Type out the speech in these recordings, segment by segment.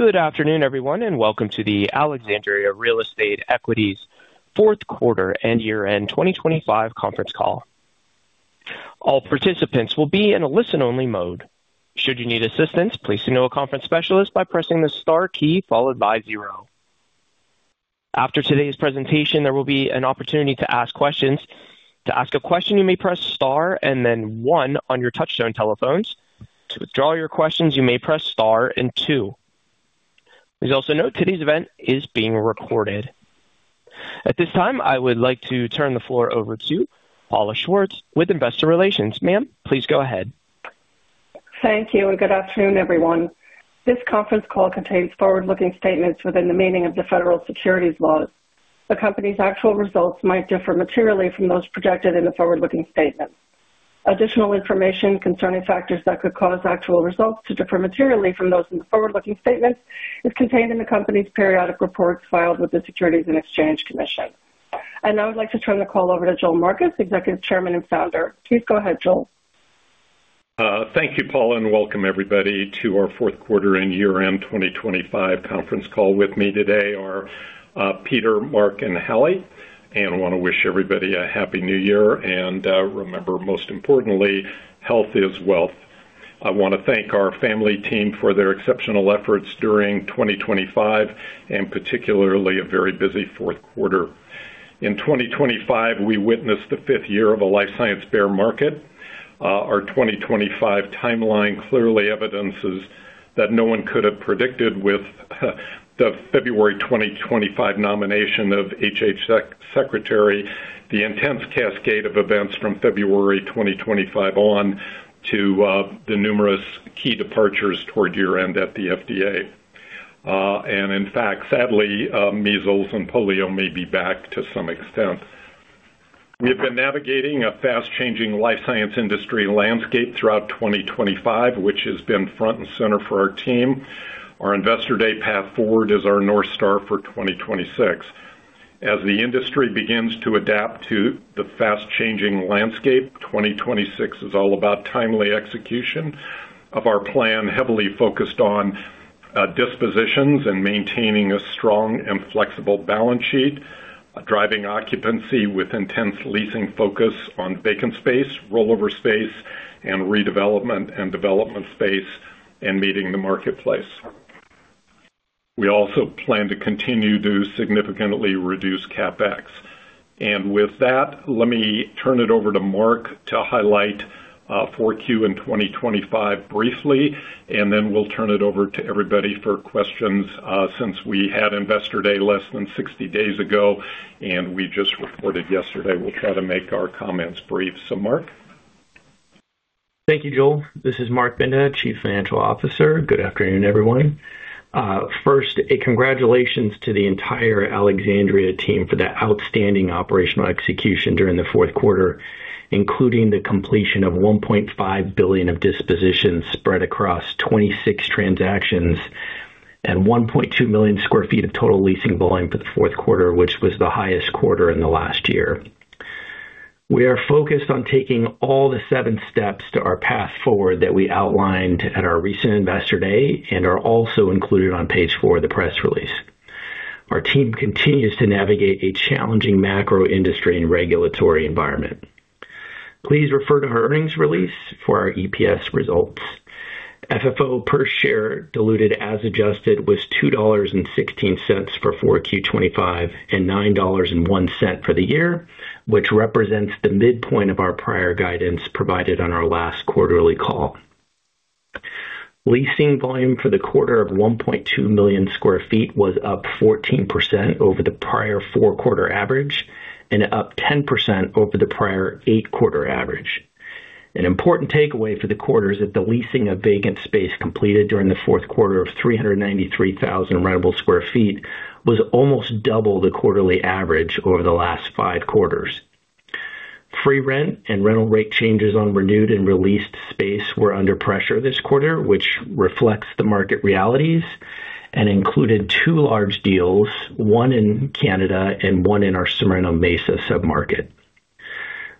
Good afternoon, everyone, and welcome to the Alexandria Real Estate Equities fourth quarter and year-end 2025 conference call. All participants will be in a listen-only mode. Should you need assistance, please signal a conference specialist by pressing the star key followed by zero. After today's presentation, there will be an opportunity to ask questions. To ask a question, you may press star and then one on your touch-tone telephones. To withdraw your questions, you may press star and two. Please also note today's event is being recorded. At this time, I would like to turn the floor over to Paula Schwartz with Investor Relations. Ma'am, please go ahead. Thank you, and good afternoon, everyone. This conference call contains forward-looking statements within the meaning of the federal securities laws. The company's actual results might differ materially from those projected in the forward-looking statement. Additional information concerning factors that could cause actual results to differ materially from those in the forward-looking statement is contained in the company's periodic reports filed with the Securities and Exchange Commission. Now I'd like to turn the call over to Joel Marcus, Executive Chairman and Founder. Please go ahead, Joel. Thank you, Paula, and welcome everybody to our Fourth Quarter and Year End 2025 conference call. With me today are Peter, Marc, and Hallie, and I want to wish everybody a Happy New Year and remember, most importantly, health is wealth. I want to thank our family team for their exceptional efforts during 2025, and particularly a very busy fourth quarter. In 2025, we witnessed the fifth year of a life science bear market. Our 2025 timeline clearly evidences that no one could have predicted with the February 2025 nomination of HHS Secretary, the intense cascade of events from February 2025 on to the numerous key departures toward year-end at the FDA. And in fact, sadly, measles and polio may be back to some extent. We have been navigating a fast-changing life science industry landscape throughout 2025, which has been front and center for our team. Our Investor Day path forward is our North Star for 2026. As the industry begins to adapt to the fast-changing landscape, 2026 is all about timely execution of our plan, heavily focused on dispositions and maintaining a strong and flexible balance sheet, driving occupancy with intense leasing focus on vacant space, rollover space, and redevelopment and development space, and meeting the marketplace. We also plan to continue to significantly reduce CapEx. With that, let me turn it over to Marc to highlight Q4 in 2025 briefly, and then we'll turn it over to everybody for questions since we had Investor Day less than 60 days ago, and we just reported yesterday. We'll try to make our comments brief. So, Marc. Thank you, Joel. This is Marc Binda, Chief Financial Officer. Good afternoon, everyone. First, a congratulations to the entire Alexandria team for that outstanding operational execution during the fourth quarter, including the completion of $1.5 billion of dispositions spread across 26 transactions and 1.2 million sq ft of total leasing volume for the fourth quarter, which was the highest quarter in the last year. We are focused on taking all the seven steps to our path forward that we outlined at our recent Investor Day and are also included on page four of the press release. Our team continues to navigate a challenging macro industry and regulatory environment. Please refer to our earnings release for our EPS results. FFO per share diluted as adjusted was $2.16 for Q4 2025 and $9.01 for the year, which represents the midpoint of our prior guidance provided on our last quarterly call. Leasing volume for the quarter of 1.2 million sq ft was up 14% over the prior four quarter average and up 10% over the prior eight quarter average. An important takeaway for the quarter is that the leasing of vacant space completed during the fourth quarter of 393,000 rentable sq ft was almost double the quarterly average over the last five quarters. Free rent and rental rate changes on renewed and re-leased space were under pressure this quarter, which reflects the market realities and included two large deals, one in Canada and one in our Sorrento Mesa submarket.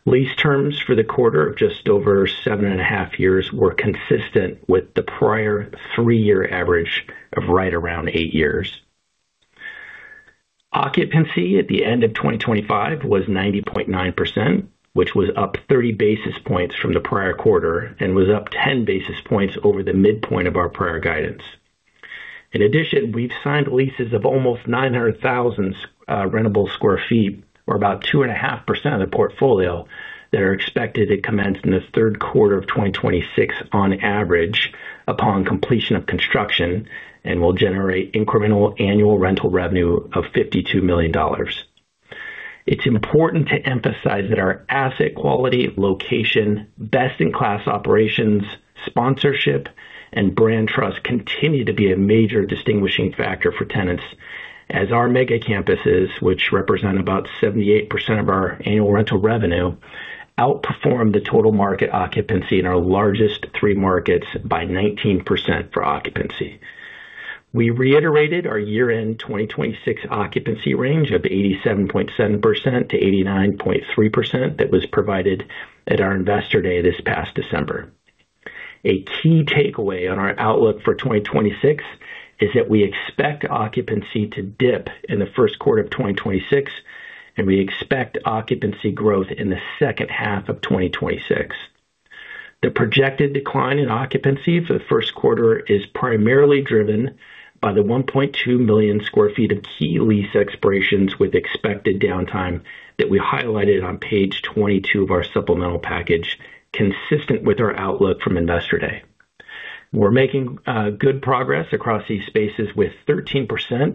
Lease terms for the quarter of just over seven and a half years were consistent with the prior three-year average of right around eight years. Occupancy at the end of 2025 was 90.9%, which was up 30 basis points from the prior quarter and was up 10 basis points over the midpoint of our prior guidance. In addition, we've signed leases of almost 900,000 rentable sq ft, or about 2.5% of the portfolio, that are expected to commence in the third quarter of 2026 on average upon completion of construction and will generate incremental annual rental revenue of $52 million. It's important to emphasize that our asset quality, location, best-in-class operations, sponsorship, and brand trust continue to be a major distinguishing factor for tenants, as our Mega Campuses, which represent about 78% of our annual rental revenue, outperform the total market occupancy in our largest three markets by 19% for occupancy. We reiterated our year-end 2026 occupancy range of 87.7%-89.3% that was provided at our Investor Day this past December. A key takeaway on our outlook for 2026 is that we expect occupancy to dip in the first quarter of 2026, and we expect occupancy growth in the second half of 2026. The projected decline in occupancy for the first quarter is primarily driven by the 1.2 million sq ft of key lease expirations with expected downtime that we highlighted on page 22 of our supplemental package, consistent with our outlook from Investor Day. We're making good progress across these spaces with 13%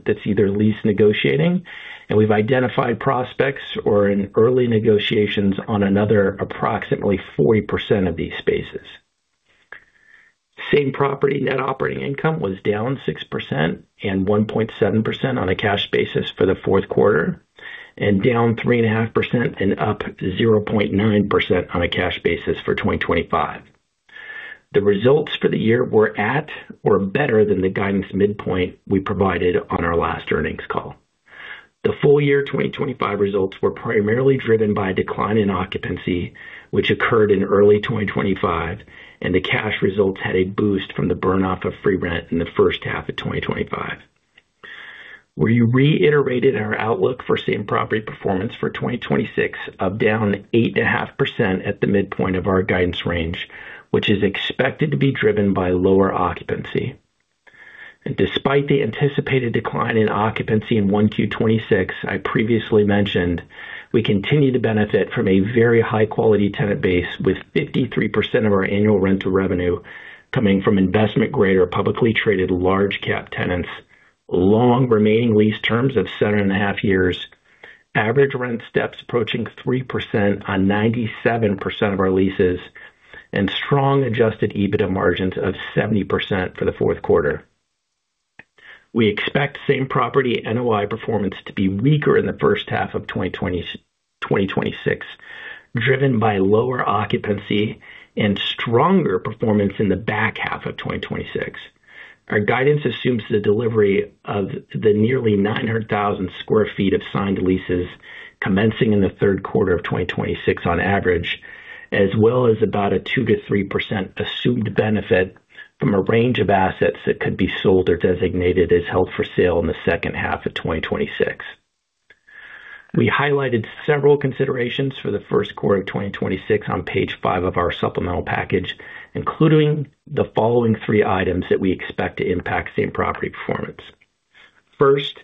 that's either lease negotiating, and we've identified prospects or in early negotiations on another approximately 40% of these spaces. Same property net operating income was down 6% and 1.7% on a cash basis for the fourth quarter, and down 3.5% and up 0.9% on a cash basis for 2025. The results for the year were at or better than the guidance midpoint we provided on our last earnings call. The full year 2025 results were primarily driven by a decline in occupancy, which occurred in early 2025, and the cash results had a boost from the burn-off of free rent in the first half of 2025. We reiterated our outlook for same property performance for 2026 of down 8.5% at the midpoint of our guidance range, which is expected to be driven by lower occupancy. Despite the anticipated decline in occupancy in Q1 2026 I previously mentioned, we continue to benefit from a very high-quality tenant base with 53% of our annual rental revenue coming from investment-grade or publicly traded large-cap tenants, long remaining lease terms of 7.5 years, average rent steps approaching 3% on 97% of our leases, and strong adjusted EBITDA margins of 70% for the fourth quarter. We expect same property NOI performance to be weaker in the first half of 2026, driven by lower occupancy and stronger performance in the back half of 2026. Our guidance assumes the delivery of the nearly 900,000 sq ft of signed leases commencing in the third quarter of 2026 on average, as well as about a 2%-3% assumed benefit from a range of assets that could be sold or designated as held for sale in the second half of 2026. We highlighted several considerations for the first quarter of 2026 on page five of our supplemental package, including the following three items that we expect to impact same property performance. First,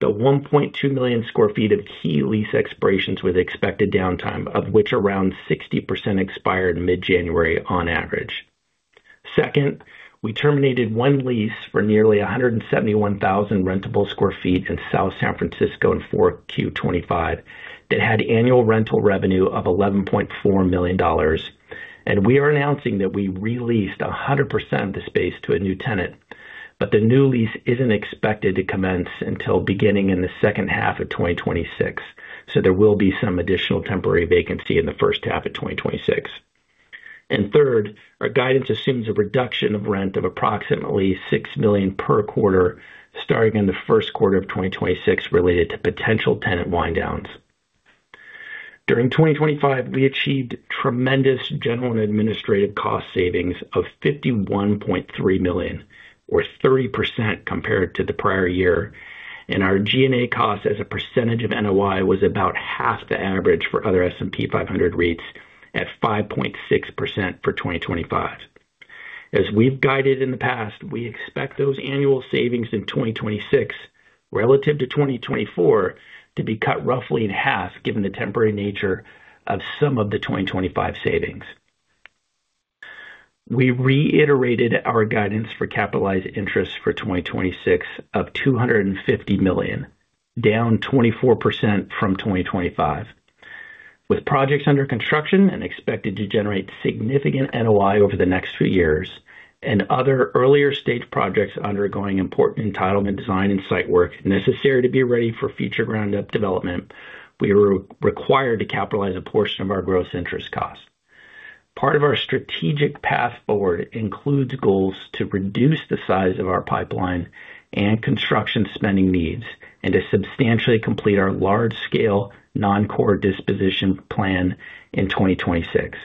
the 1.2 million sq ft of key lease expirations with expected downtime, of which around 60% expired mid-January on average. Second, we terminated one lease for nearly 171,000 rentable sq ft in South San Francisco in Q4 2025 that had annual rental revenue of $11.4 million. We are announcing that we re-leased 100% of the space to a new tenant, but the new lease isn't expected to commence until beginning in the second half of 2026, so there will be some additional temporary vacancy in the first half of 2026. And third, our guidance assumes a reduction of rent of approximately $6 million per quarter starting in the first quarter of 2026 related to potential tenant wind-downs. During 2025, we achieved tremendous general and administrative cost savings of $51.3 million, or 30% compared to the prior year, and our G&A cost as a percentage of NOI was about half the average for other S&P 500 REITs at 5.6% for 2025. As we've guided in the past, we expect those annual savings in 2026 relative to 2024 to be cut roughly in half given the temporary nature of some of the 2025 savings. We reiterated our guidance for capitalized interest for 2026 of $250 million, down 24% from 2025. With projects under construction and expected to generate significant NOI over the next few years and other earlier stage projects undergoing important entitlement design and site work necessary to be ready for future ground-up development, we were required to capitalize a portion of our gross interest cost. Part of our strategic path forward includes goals to reduce the size of our pipeline and construction spending needs and to substantially complete our large-scale non-core disposition plan in 2026.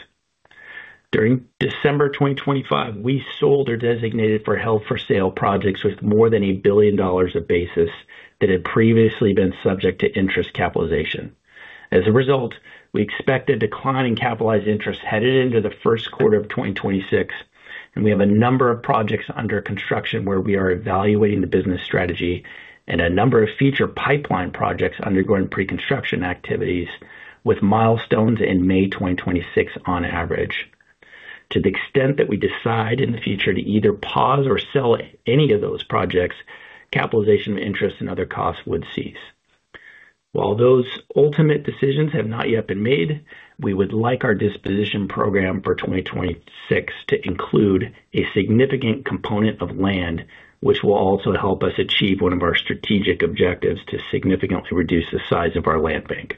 During December 2025, we sold or designated for held-for-sale projects with more than $1 billion of basis that had previously been subject to interest capitalization. As a result, we expect a decline in capitalized interest headed into the first quarter of 2026, and we have a number of projects under construction where we are evaluating the business strategy and a number of future pipeline projects undergoing pre-construction activities with milestones in May 2026 on average. To the extent that we decide in the future to either pause or sell any of those projects, capitalization of interest and other costs would cease. While those ultimate decisions have not yet been made, we would like our disposition program for 2026 to include a significant component of land, which will also help us achieve one of our strategic objectives to significantly reduce the size of our land bank.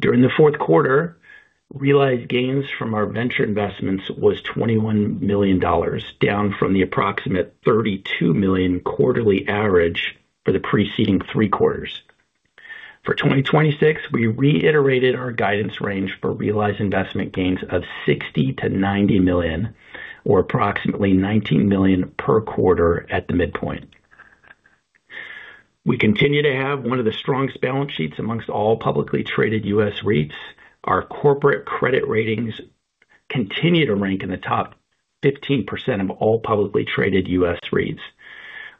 During the fourth quarter, realized gains from our venture investments was $21 million, down from the approximate $32 million quarterly average for the preceding three quarters. For 2026, we reiterated our guidance range for realized investment gains of $60 million-$90 million, or approximately $19 million per quarter at the midpoint. We continue to have one of the strongest balance sheets among all publicly traded U.S. REITs. Our corporate credit ratings continue to rank in the top 15% of all publicly traded U.S. REITs.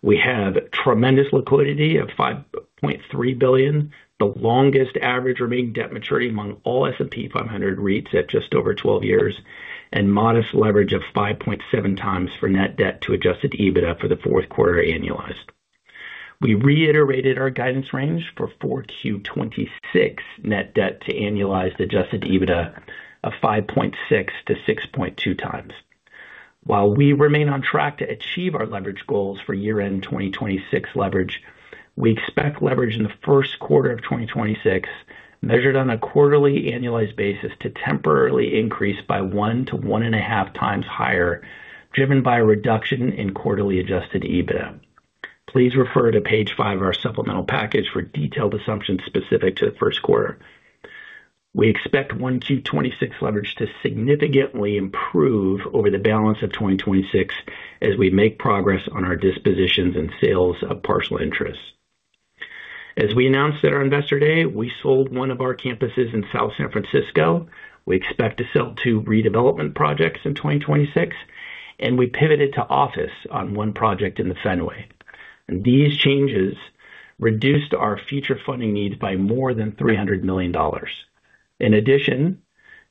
We have tremendous liquidity of $5.3 billion, the longest average remaining debt maturity among all S&P 500 REITs at just over 12 years, and modest leverage of 5.7x for net debt to Adjusted EBITDA for the fourth quarter annualized. We reiterated our guidance range for Q4 2026 net debt to annualized adjusted EBITDA of 5.6x-6.2x. While we remain on track to achieve our leverage goals for year-end 2026 leverage, we expect leverage in the first quarter of 2026 measured on a quarterly annualized basis to temporarily increase by 1x-1.5x higher, driven by a reduction in quarterly Adjusted EBITDA. Please refer to page five of our supplemental package for detailed assumptions specific to the first quarter. We expect Q1 2026 leverage to significantly improve over the balance of 2026 as we make progress on our dispositions and sales of partial interest. As we announced at our Investor Day, we sold one of our campuses in South San Francisco. We expect to sell two redevelopment projects in 2026, and we pivoted to office on one project in The Fenway. These changes reduced our future funding needs by more than $300 million. In addition,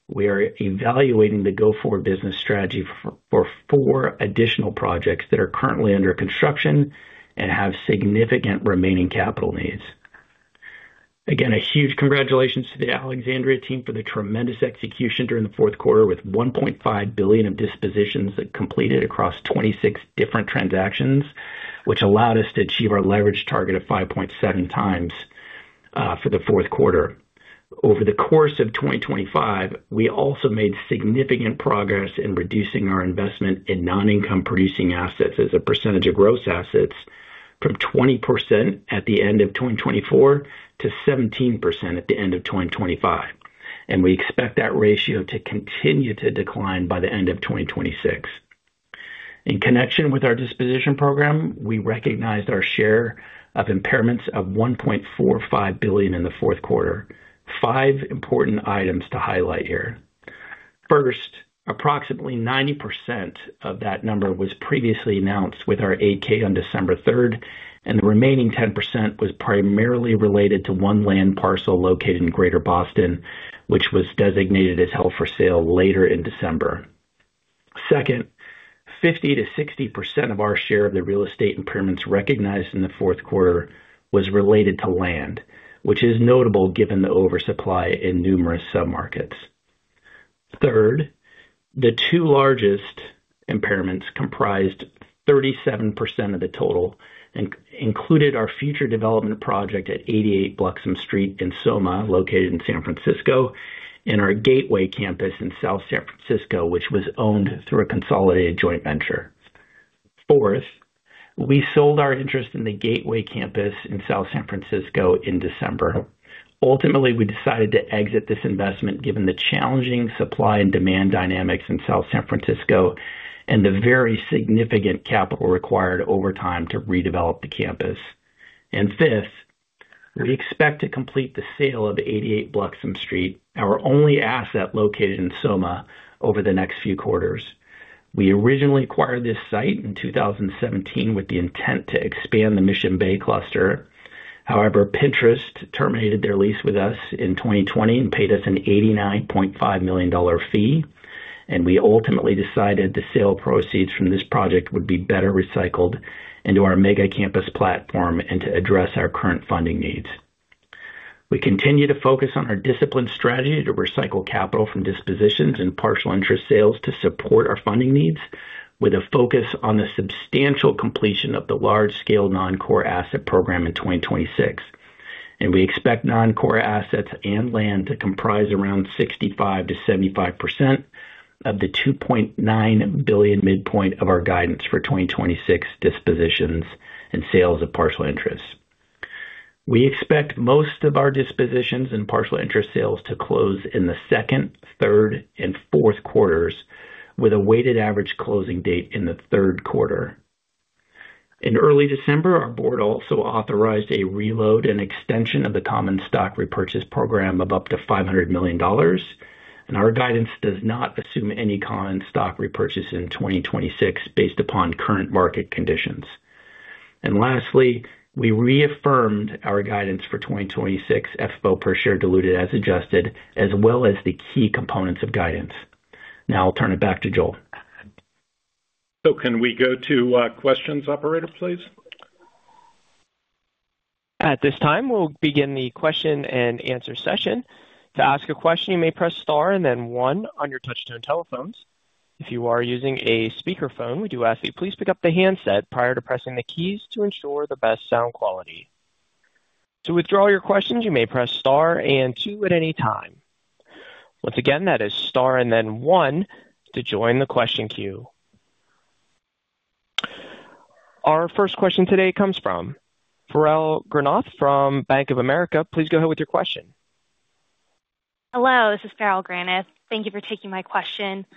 we are evaluating the go-forward business strategy for four additional projects that are currently under construction and have significant remaining capital needs. Again, a huge congratulations to the Alexandria team for the tremendous execution during the fourth quarter with $1.5 billion of dispositions completed across 26 different transactions, which allowed us to achieve our leverage target of 5.7x for the fourth quarter. Over the course of 2025, we also made significant progress in reducing our investment in non-income producing assets as a percentage of gross assets from 20% at the end of 2024 to 17% at the end of 2025, and we expect that ratio to continue to decline by the end of 2026. In connection with our disposition program, we recognized our share of impairments of $1.45 billion in the fourth quarter. Five important items to highlight here. First, approximately 90% of that number was previously announced with our 8-K on December 3rd, and the remaining 10% was primarily related to one land parcel located in Greater Boston, which was designated as held for sale later in December. Second, 50%-60% of our share of the real estate impairments recognized in the fourth quarter was related to land, which is notable given the oversupply in numerous sub-markets. Third, the two largest impairments comprised 37% of the total and included our future development project at 88 Bluxome Street in SoMa, located in San Francisco, and our Gateway Campus in South San Francisco, which was owned through a consolidated joint venture. Fourth, we sold our interest in the Gateway Campus in South San Francisco in December. Ultimately, we decided to exit this investment given the challenging supply and demand dynamics in South San Francisco and the very significant capital required over time to redevelop the campus. And fifth, we expect to complete the sale of 88 Bluxome Street, our only asset located in SoMa, over the next few quarters. We originally acquired this site in 2017 with the intent to expand the Mission Bay cluster. However, Pinterest terminated their lease with us in 2020 and paid us an $89.5 million fee, and we ultimately decided the sale proceeds from this project would be better recycled into our Mega Campus platform and to address our current funding needs. We continue to focus on our disciplined strategy to recycle capital from dispositions and partial interest sales to support our funding needs, with a focus on the substantial completion of the large-scale non-core asset program in 2026. We expect non-core assets and land to comprise around 65%-75% of the $2.9 billion midpoint of our guidance for 2026 dispositions and sales of partial interest. We expect most of our dispositions and partial interest sales to close in the second, third, and fourth quarters, with a weighted average closing date in the third quarter. In early December, our board also authorized a reload and extension of the common stock repurchase program of up to $500 million, and our guidance does not assume any common stock repurchase in 2026 based upon current market conditions. Lastly, we reaffirmed our guidance for 2026 FFO per share diluted as adjusted, as well as the key components of guidance. Now I'll turn it back to Joel. So can we go to questions, operator, please? At this time, we'll begin the question-and-answer session. To ask a question, you may press star and then one on your touch-tone telephones. If you are using a speakerphone, we do ask that you please pick up the handset prior to pressing the keys to ensure the best sound quality. To withdraw your questions, you may press star and two at any time. Once again, that is star and then one to join the question queue. Our first question today comes from Farrell Granath from Bank of America. Please go ahead with your question. Hello, this is Farrell Granath. Thank you for taking my question.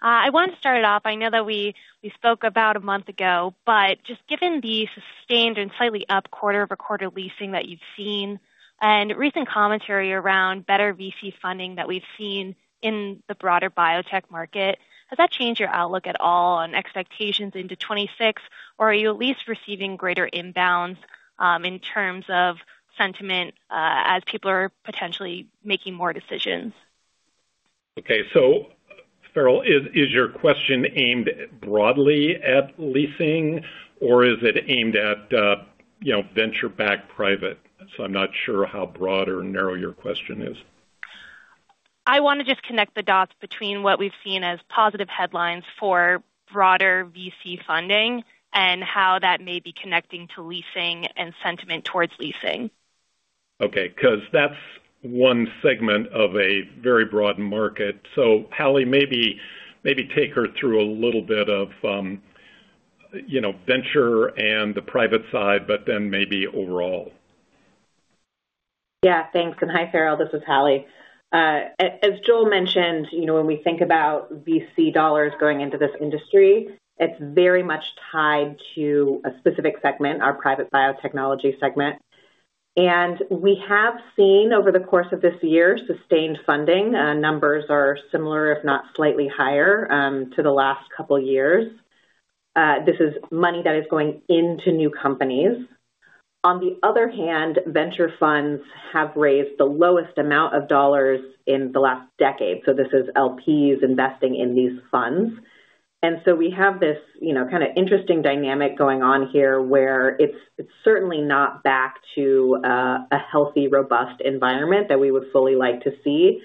I wanted to start it off. I know that we spoke about a month ago, but just given the sustained and slightly up quarter-over-quarter leasing that you've seen and recent commentary around better VC funding that we've seen in the broader biotech market, has that changed your outlook at all on expectations into 2026, or are you at least receiving greater inbounds in terms of sentiment as people are potentially making more decisions? Okay, so Farrell, is your question aimed broadly at leasing, or is it aimed at venture-backed private? So I'm not sure how broad or narrow your question is. I want to just connect the dots between what we've seen as positive headlines for broader VC funding and how that may be connecting to leasing and sentiment towards leasing. Okay, because that's one segment of a very broad market. So Hallie, maybe take her through a little bit of venture and the private side, but then maybe overall. Yeah, thanks. And hi, Farrell, this is Hallie. As Joel mentioned, when we think about VC dollars going into this industry, it's very much tied to a specific segment, our private biotechnology segment. And we have seen over the course of this year sustained funding. Numbers are similar, if not slightly higher, to the last couple of years. This is money that is going into new companies. On the other hand, venture funds have raised the lowest amount of dollars in the last decade. So this is LPs investing in these funds. And so we have this kind of interesting dynamic going on here where it's certainly not back to a healthy, robust environment that we would fully like to see.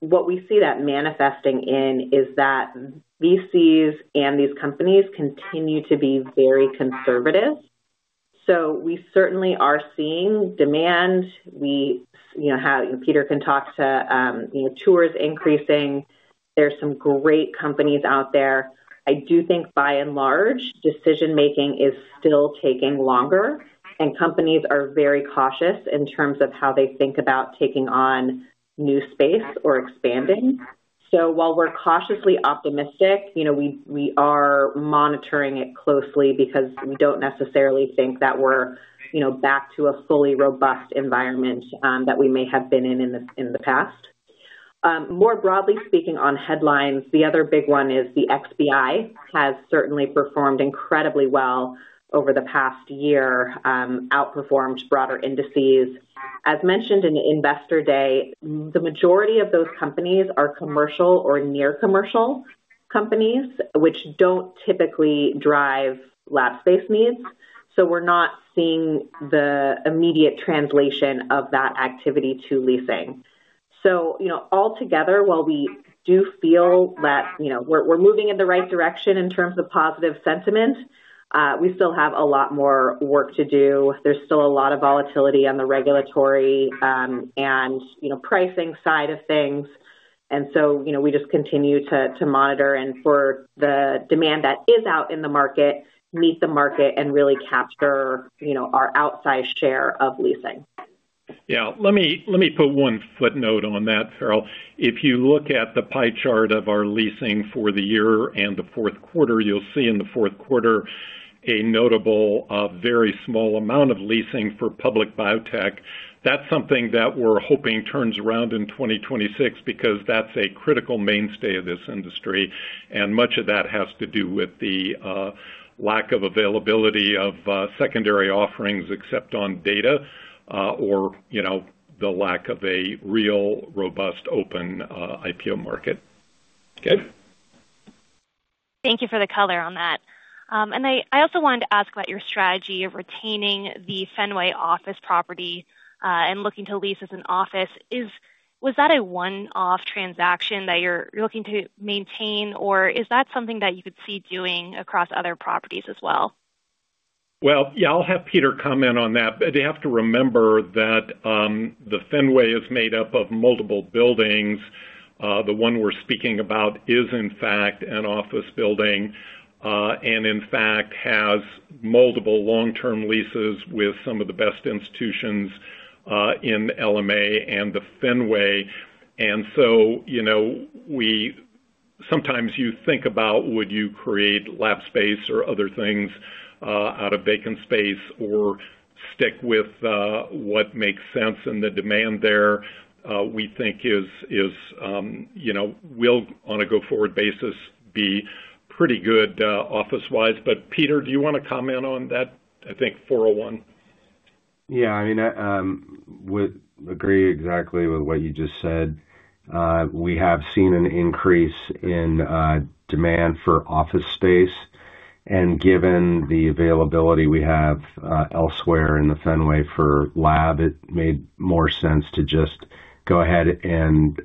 What we see that manifesting in is that VCs and these companies continue to be very conservative. So we certainly are seeing demand. Peter can talk to tours increasing. There's some great companies out there. I do think by and large, decision-making is still taking longer, and companies are very cautious in terms of how they think about taking on new space or expanding. So while we're cautiously optimistic, we are monitoring it closely because we don't necessarily think that we're back to a fully robust environment that we may have been in in the past. More broadly speaking on headlines, the other big one is the XBI has certainly performed incredibly well over the past year, outperformed broader indices. As mentioned in Investor Day, the majority of those companies are commercial or near-commercial companies, which don't typically drive lab space needs. So we're not seeing the immediate translation of that activity to leasing. So altogether, while we do feel that we're moving in the right direction in terms of positive sentiment, we still have a lot more work to do. There's still a lot of volatility on the regulatory and pricing side of things. And so we just continue to monitor and for the demand that is out in the market, meet the market and really capture our outside share of leasing. Yeah, let me put one footnote on that, Farrell. If you look at the pie chart of our leasing for the year and the fourth quarter, you'll see in the fourth quarter a notable, very small amount of leasing for public biotech. That's something that we're hoping turns around in 2026 because that's a critical mainstay of this industry. And much of that has to do with the lack of availability of secondary offerings except on data or the lack of a real, robust, open IPO market. Okay. Thank you for the color on that. And I also wanted to ask about your strategy of retaining The Fenway office property and looking to lease as an office. Was that a one-off transaction that you're looking to maintain, or is that something that you could see doing across other properties as well? Well, yeah, I'll have Peter comment on that, but they have to remember that The Fenway is made up of multiple buildings. The one we're speaking about is, in fact, an office building and, in fact, has multiple long-term leases with some of the best institutions in LMA and The Fenway. And so sometimes you think about, would you create lab space or other things out of vacant space or stick with what makes sense and the demand there? We think we'll, on a go-forward basis, be pretty good office-wise. But Peter, do you want to comment on that, I think, 401? Yeah, I mean, I would agree exactly with what you just said. We have seen an increase in demand for office space. And given the availability we have elsewhere in the Fenway for lab, it made more sense to just go ahead and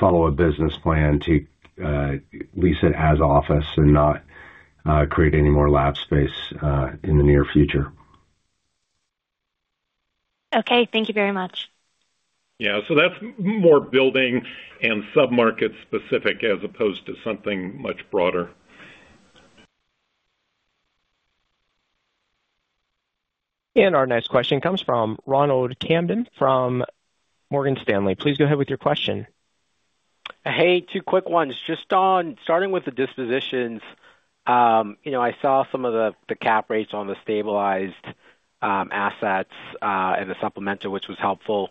follow a business plan to lease it as office and not create any more lab space in the near future. Okay, thank you very much. Yeah, so that's more building and sub-market specific as opposed to something much broader. Our next question comes from Ronald Kamdem from Morgan Stanley. Please go ahead with your question. Hey, two quick ones. Just starting with the dispositions, I saw some of the cap rates on the stabilized assets and the supplemental, which was helpful.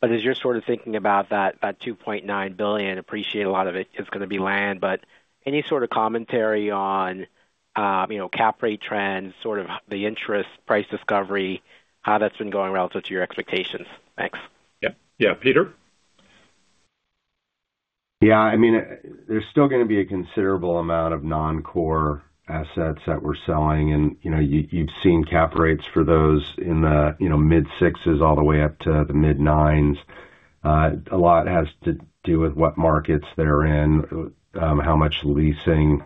But as you're sort of thinking about that $2.9 billion, I appreciate a lot of it is going to be land, but any sort of commentary on cap rate trends, sort of the interest price discovery, how that's been going relative to your expectations? Thanks. Yeah, yeah, Peter? Yeah, I mean, there's still going to be a considerable amount of non-core assets that we're selling. And you've seen cap rates for those in the mid-sixes all the way up to the mid-nines. A lot has to do with what markets they're in, how much leasing,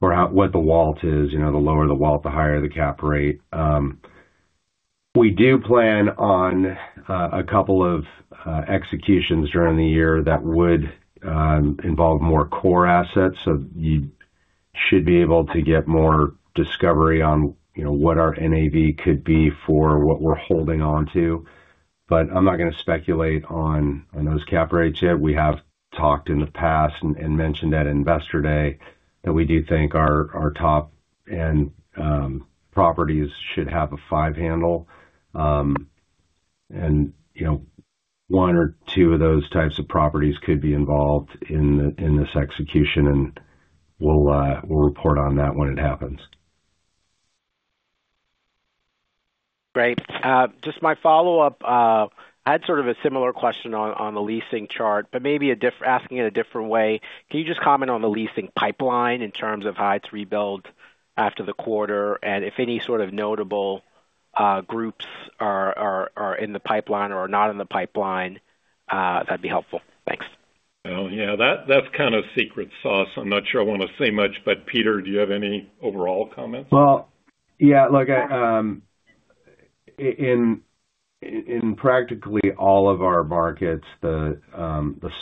or what the WALT is. The lower the WALT, the higher the cap rate. We do plan on a couple of executions during the year that would involve more core assets. So you should be able to get more discovery on what our NAV could be for what we're holding on to. But I'm not going to speculate on those cap rates yet. We have talked in the past and mentioned at Investor Day that we do think our top end properties should have a five-handle. And one or two of those types of properties could be involved in this execution, and we'll report on that when it happens. Great. Just my follow-up. I had sort of a similar question on the leasing chart, but maybe asking it a different way. Can you just comment on the leasing pipeline in terms of how it's rebuilt after the quarter? And if any sort of notable groups are in the pipeline or are not in the pipeline, that'd be helpful. Thanks. Well, yeah, that's kind of secret sauce. I'm not sure I want to say much, but Peter, do you have any overall comments? Well, yeah, look, in practically all of our markets, the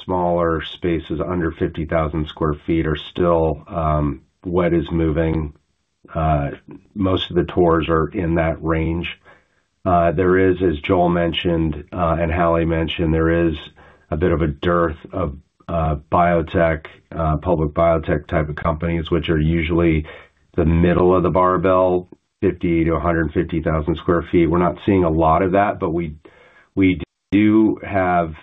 smaller spaces under 50,000 sq ft are still hot as moving. Most of the tours are in that range. There is, as Joel mentioned and Hallie mentioned, there is a bit of a dearth of biotech, public biotech type of companies, which are usually the middle of the barbell, 50,000-150,000 sq ft. We're not seeing a lot of that, but we do have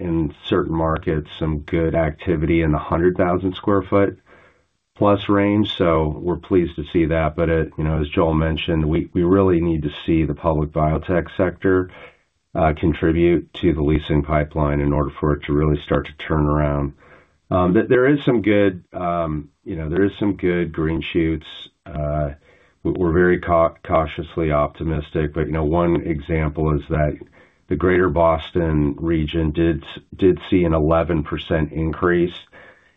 in certain markets some good activity in the 100,000 sq ft+ range. So we're pleased to see that. But as Joel mentioned, we really need to see the public biotech sector contribute to the leasing pipeline in order for it to really start to turn around. There are some good green shoots. We're very cautiously optimistic, but one example is that the Greater Boston region did see an 11% increase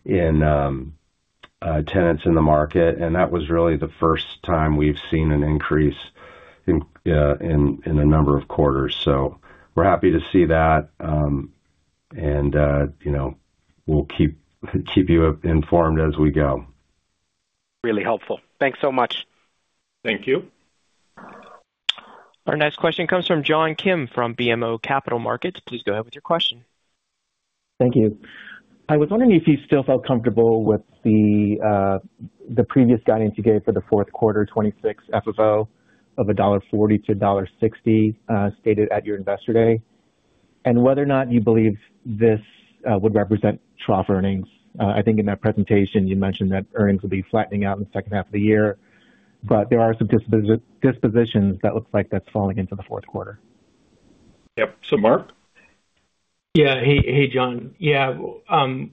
in tenants in the market, and that was really the first time we've seen an increase in a number of quarters. So we're happy to see that, and we'll keep you informed as we go. Really helpful. Thanks so much. Thank you. Our next question comes from John Kim from BMO Capital Markets. Please go ahead with your question. Thank you. I was wondering if you still felt comfortable with the previous guidance you gave for the fourth quarter, 2026 FFO of $1.40-$1.60 stated at your Investor Day and whether or not you believe this would represent trough earnings. I think in that presentation, you mentioned that earnings will be flattening out in the second half of the year, but there are some dispositions that look like that's falling into the fourth quarter. Yep. So Marc? Yeah. Hey, John. Yeah,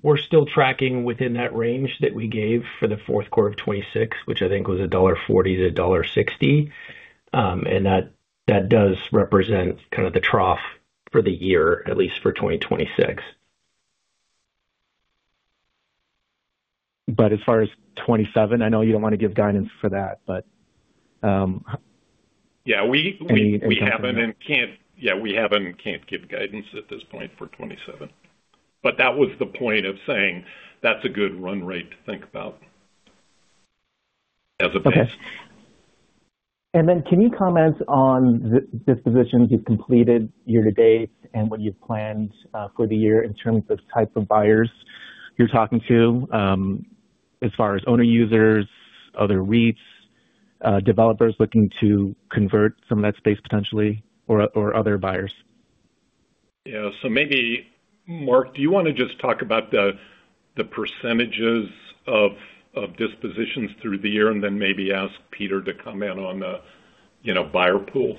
we're still tracking within that range that we gave for the fourth quarter of 2026, which I think was $1.40-$1.60. And that does represent kind of the trough for the year, at least for 2026. But as far as 2027, I know you don't want to give guidance for that, but. Yeah, we haven't and can't give guidance at this point for 2027. But that was the point of saying that's a good run rate to think about as a base. And then can you comment on the dispositions you've completed year to date and what you've planned for the year in terms of the type of buyers you're talking to as far as owner users, other REITs, developers looking to convert some of that space potentially, or other buyers? Yeah. So maybe, Marc, do you want to just talk about the percentages of dispositions through the year and then maybe ask Peter to comment on the buyer pool?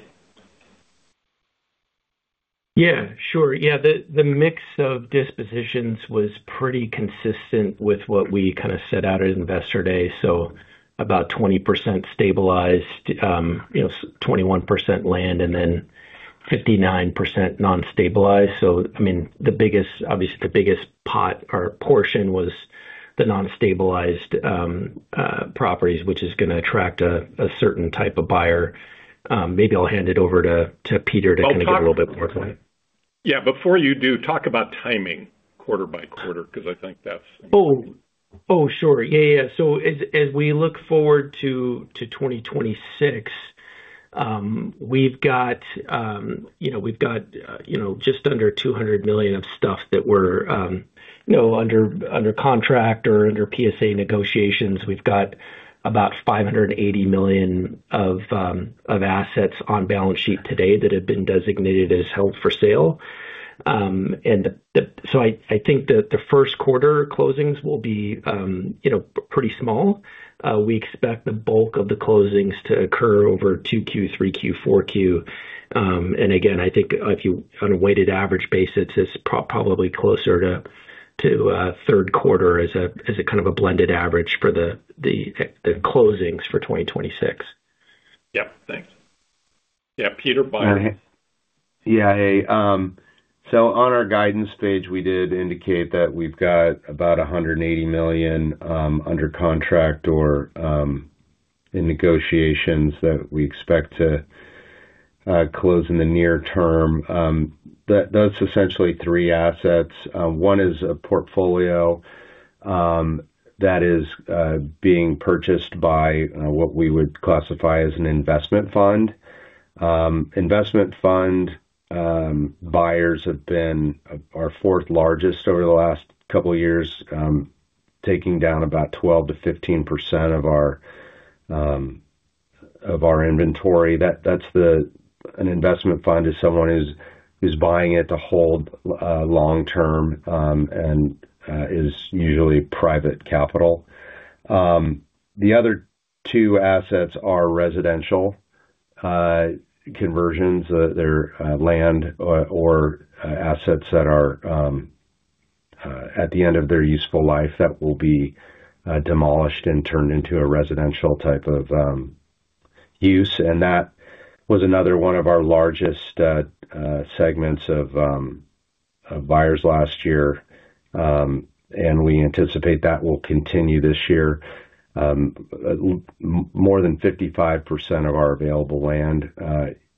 Yeah, sure. Yeah, the mix of dispositions was pretty consistent with what we kind of set out at Investor Day. So about 20% stabilized, 21% land, and then 59% non-stabilized. So I mean, obviously, the biggest pot or portion was the non-stabilized properties, which is going to attract a certain type of buyer. Maybe I'll hand it over to Peter to kind of get a little bit more point. Yeah, before you do, talk about timing quarter by quarter because I think that's. Oh, sure. Yeah, yeah. So as we look forward to 2026, we've got just under $200 million of stuff that were under contract or under PSA negotiations. We've got about $580 million of assets on balance sheet today that have been designated as held for sale. And so I think that the first quarter closings will be pretty small. We expect the bulk of the closings to occur over Q2, Q3, Q4. And again, I think on a weighted average basis, it's probably closer to third quarter as a kind of a blended average for the closings for 2026. Yep. Thanks. Yeah, Peter. Yeah, hey. So on our guidance page, we did indicate that we've got about $180 million under contract or in negotiations that we expect to close in the near term. That's essentially three assets. One is a portfolio that is being purchased by what we would classify as an investment fund. Investment fund buyers have been our fourth largest over the last couple of years, taking down about 12%-15% of our inventory. An investment fund is someone who's buying it to hold long-term and is usually private capital. The other two assets are residential conversions. They're land or assets that are at the end of their useful life that will be demolished and turned into a residential type of use. And that was another one of our largest segments of buyers last year. And we anticipate that will continue this year. More than 55% of our available land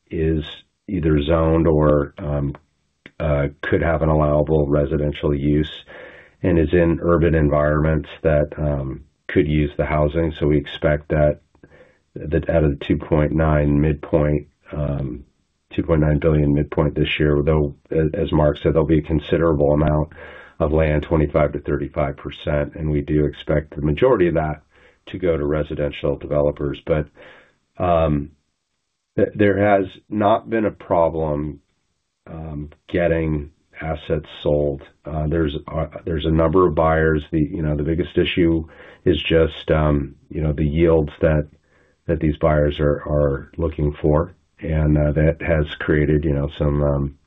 is either zoned or could have an allowable residential use and is in urban environments that could use the housing. So we expect that out of the $2.9 billion midpoint this year, as Marc said, there'll be a considerable amount of land, 25%-35%. And we do expect the majority of that to go to residential developers. But there has not been a problem getting assets sold. There's a number of buyers. The biggest issue is just the yields that these buyers are looking for. And that has created some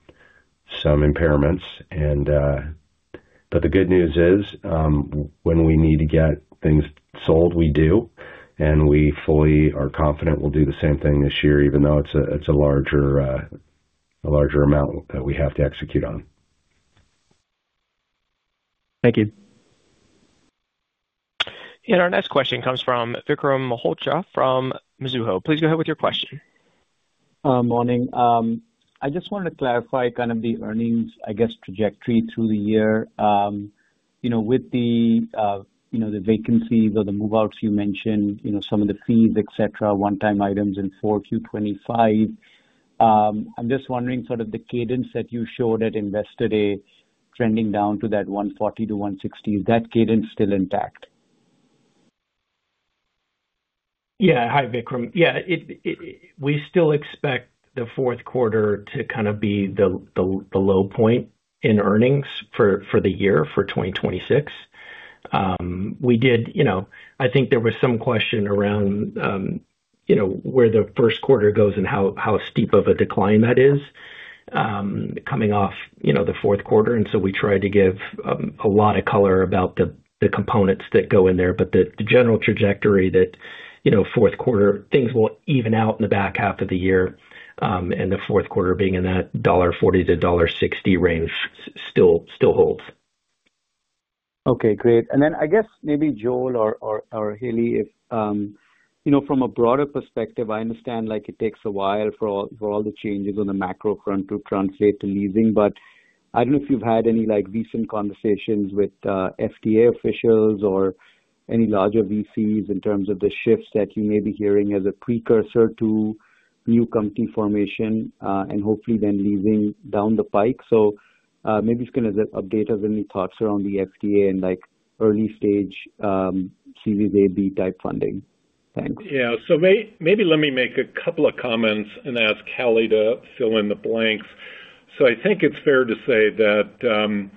impairments. But the good news is when we need to get things sold, we do. And we fully are confident we'll do the same thing this year, even though it's a larger amount that we have to execute on. Thank you. And our next question comes from Vikram Malhotra from Mizuho. Please go ahead with your question. Morning. I just wanted to clarify kind of the earnings, I guess, trajectory through the year. With the vacancies or the move-outs you mentioned, some of the fees, etc., one-time items in Q4 2025, I'm just wondering sort of the cadence that you showed at Investor Day trending down to that $1.40-$1.60. Is that cadence still intact? Yeah. Hi, Vikram. Yeah. We still expect the fourth quarter to kind of be the low point in earnings for the year for 2026. We did. I think there was some question around where the first quarter goes and how steep of a decline that is coming off the fourth quarter. And so we tried to give a lot of color about the components that go in there. But the general trajectory that fourth quarter, things will even out in the back half of the year. And the fourth quarter being in that $1.40-$1.60 range still holds. Okay. Great. And then I guess maybe Joel or Hallie, from a broader perspective, I understand it takes a while for all the changes on the macro front to translate to leasing. But I don't know if you've had any recent conversations with FDA officials or any larger VCs in terms of the shifts that you may be hearing as a precursor to new company formation and hopefully then leasing down the pike. So maybe you can just update us any thoughts around the FDA and early-stage Series A, B type funding. Thanks. Yeah. So maybe let me make a couple of comments and ask Hallie to fill in the blanks. So I think it's fair to say that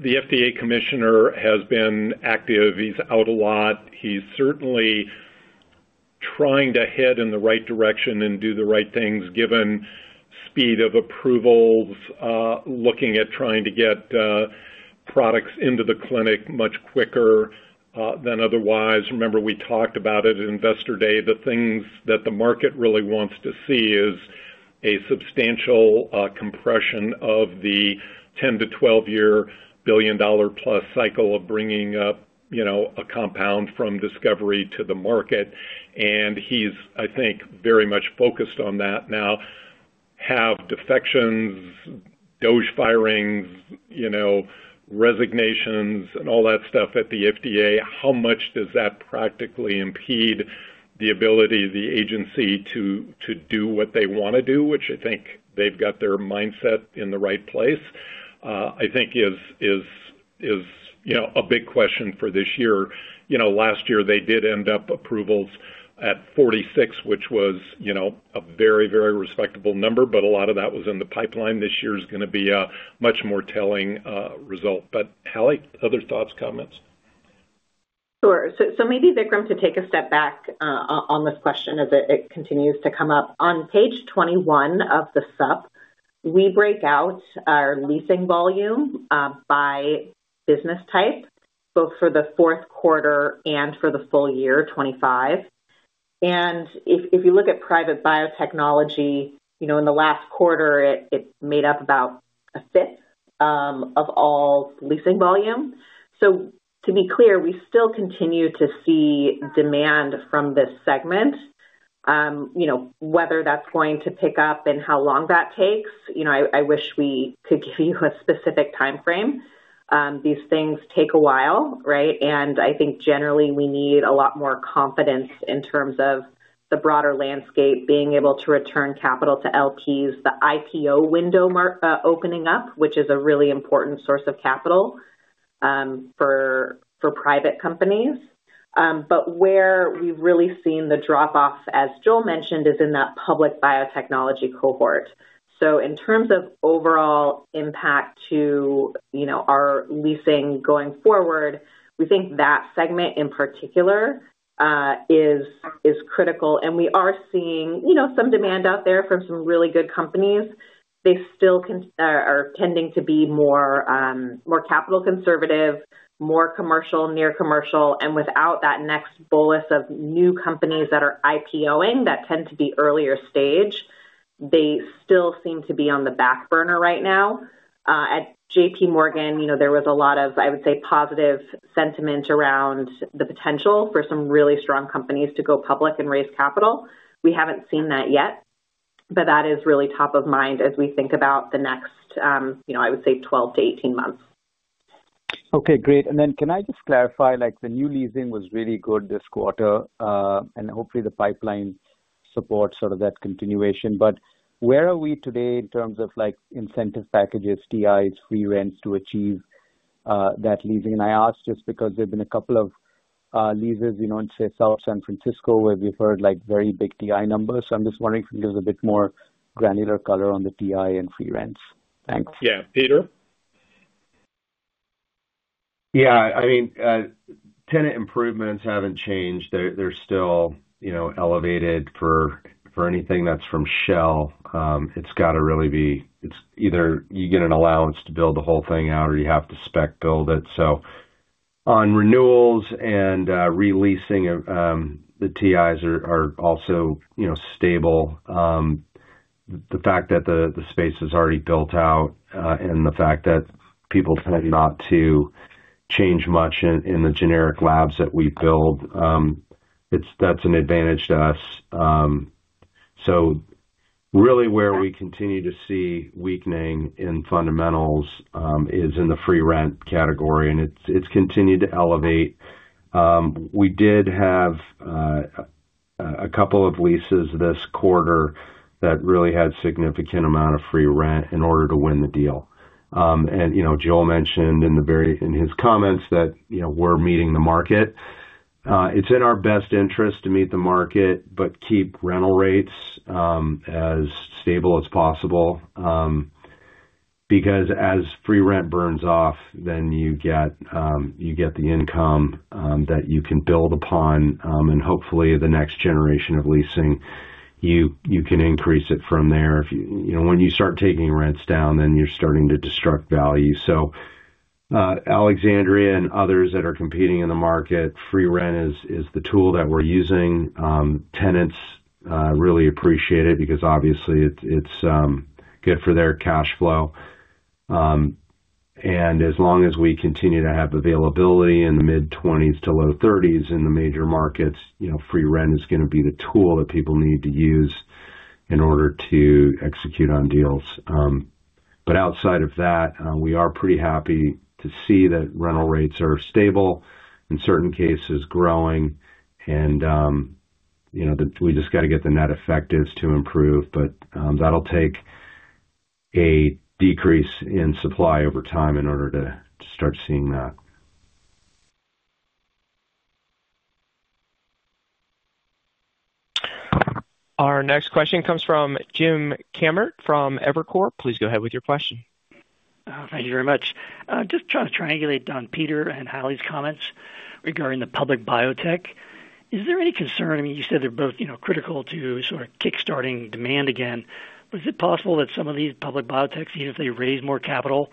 the FDA Commissioner has been active. He's out a lot. He's certainly trying to head in the right direction and do the right things given speed of approvals, looking at trying to get products into the clinic much quicker than otherwise. Remember, we talked about it at Investor Day. The things that the market really wants to see is a substantial compression of the 10-12-year billion-dollar-plus cycle of bringing up a compound from discovery to the market. And he's, I think, very much focused on that now. With defections, top firings, resignations, and all that stuff at the FDA, how much does that practically impede the ability of the agency to do what they want to do, which I think they've got their mindset in the right place? I think is a big question for this year. Last year, they did end up approvals at 46, which was a very, very respectable number, but a lot of that was in the pipeline. This year is going to be a much more telling result. But Hallie, other thoughts, comments? Sure. So maybe Vikram could take a step back on this question as it continues to come up. On page 21 of the Supp, we break out our leasing volume by business type, both for the fourth quarter and for the full year, 2025. And if you look at private biotechnology, in the last quarter, it made up about a fifth of all leasing volume. So to be clear, we still continue to see demand from this segment. Whether that's going to pick up and how long that takes, I wish we could give you a specific time frame. These things take a while, right? And I think generally we need a lot more confidence in terms of the broader landscape, being able to return capital to LPs, the IPO window opening up, which is a really important source of capital for private companies. But where we've really seen the drop-off, as Joel mentioned, is in that public biotechnology cohort. So in terms of overall impact to our leasing going forward, we think that segment in particular is critical. And we are seeing some demand out there from some really good companies. They still are tending to be more capital conservative, more commercial, near commercial. And without that next bolus of new companies that are IPOing, that tend to be earlier stage, they still seem to be on the back burner right now. At JPMorgan, there was a lot of, I would say, positive sentiment around the potential for some really strong companies to go public and raise capital. We haven't seen that yet. But that is really top of mind as we think about the next, I would say, 12-18 months. Okay. Great. And then can I just clarify? The new leasing was really good this quarter. And hopefully, the pipeline supports sort of that continuation. But where are we today in terms of incentive packages, TIs, free rents to achieve that leasing? I ask just because there have been a couple of leases in, say, South San Francisco where we've heard very big TI numbers. So I'm just wondering if you can give us a bit more granular color on the TI and free rents. Thanks. Yeah. Peter? Yeah. I mean, tenant improvements haven't changed. They're still elevated for anything that's from shell. It's got to really be either you get an allowance to build the whole thing out or you have to spec build it. So on renewals and releasing, the TIs are also stable. The fact that the space is already built out and the fact that people tend not to change much in the generic labs that we build, that's an advantage to us. So really where we continue to see weakening in fundamentals is in the free rent category. And it's continued to elevate. We did have a couple of leases this quarter that really had a significant amount of free rent in order to win the deal. Joel mentioned in his comments that we're meeting the market. It's in our best interest to meet the market, but keep rental rates as stable as possible. Because as free rent burns off, then you get the income that you can build upon. Hopefully, the next generation of leasing, you can increase it from there. When you start taking rents down, then you're starting to destruct value. Alexandria and others that are competing in the market, free rent is the tool that we're using. Tenants really appreciate it because obviously, it's good for their cash flow. As long as we continue to have availability in the mid-20s to low-30s in the major markets, free rent is going to be the tool that people need to use in order to execute on deals. But outside of that, we are pretty happy to see that rental rates are stable. In certain cases, growing. And we just got to get the net effect is to improve. But that'll take a decrease in supply over time in order to start seeing that. Our next question comes from Jim Kammert from Evercore. Please go ahead with your question. Thank you very much. Just trying to triangulate on Peter and Hallie's comments regarding the public biotech. Is there any concern? I mean, you said they're both critical to sort of kickstarting demand again. But is it possible that some of these public biotechs, even if they raise more capital,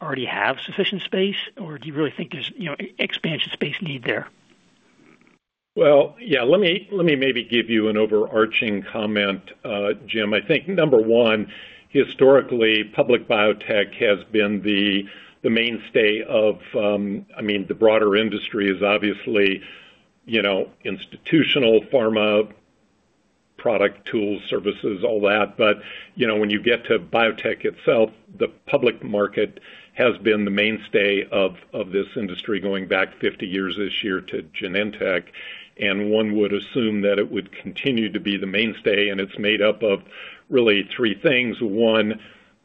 already have sufficient space? Or do you really think there's expansion space need there? Well, yeah. Let me maybe give you an overarching comment, Jim. I think number one, historically, public biotech has been the mainstay of, I mean, the broader industry is obviously institutional, pharma, product, tools, services, all that. But when you get to biotech itself, the public market has been the mainstay of this industry going back 50 years this year to Genentech. And one would assume that it would continue to be the mainstay. And it's made up of really three things. One,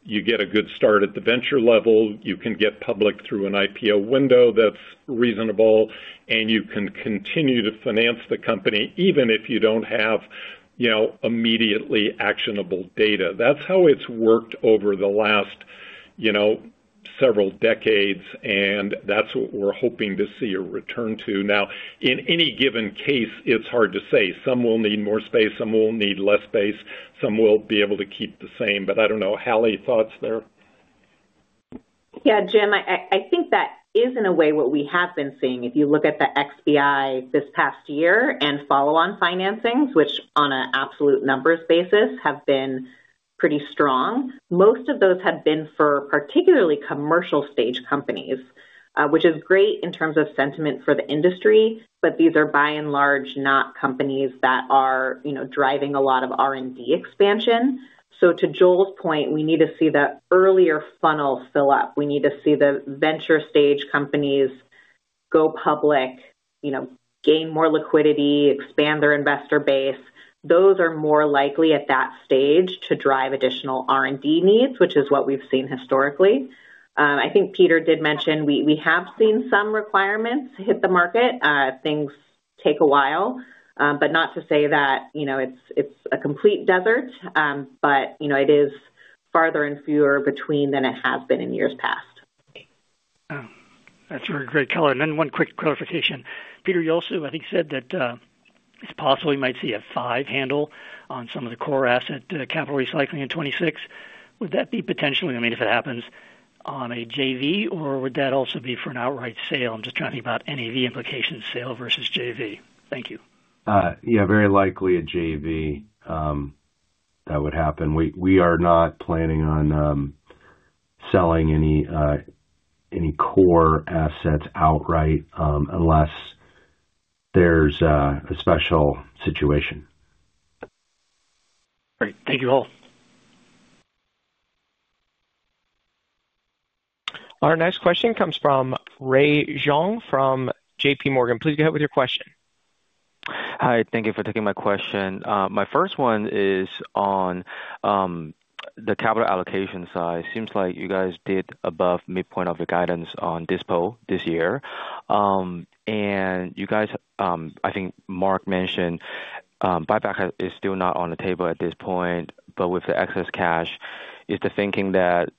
you get a good start at the venture level. You can get public through an IPO window that's reasonable. And you can continue to finance the company even if you don't have immediately actionable data. That's how it's worked over the last several decades. That's what we're hoping to see a return to. Now, in any given case, it's hard to say. Some will need more space. Some will need less space. Some will be able to keep the same. I don't know. Hallie, thoughts there? Yeah. Jim, I think that is in a way what we have been seeing. If you look at the XBI this past year and follow-on financings, which on an absolute numbers basis have been pretty strong, most of those have been for particularly commercial-stage companies, which is great in terms of sentiment for the industry. But these are by and large not companies that are driving a lot of R&D expansion. So to Joel's point, we need to see the earlier funnel fill up. We need to see the venture-stage companies go public, gain more liquidity, expand their investor base. Those are more likely at that stage to drive additional R&D needs, which is what we've seen historically. I think Peter did mention we have seen some requirements hit the market. Things take a while. But not to say that it's a complete desert. But it is few and far between than it has been in years past. That's a very great color. And then one quick clarification. Peter Moglia, I think said that it's possible we might see a five handle on some of the core asset capital recycling in 2026. Would that be potentially, I mean, if it happens, a JV? Or would that also be for an outright sale? I'm just trying to think about NAV implications, sale versus JV. Thank you. Yeah. Very likely a JV that would happen. We are not planning on selling any core assets outright unless there's a special situation. Great. Thank you all. Our next question comes from Ray Zhong from JPMorgan. Please go ahead with your question. Hi. Thank you for taking my question. My first one is on the capital allocation side. It seems like you guys did above midpoint of your guidance on dispo this year. And you guys, I think Marc mentioned, buyback is still not on the table at this point. But with the excess cash, is the thinking that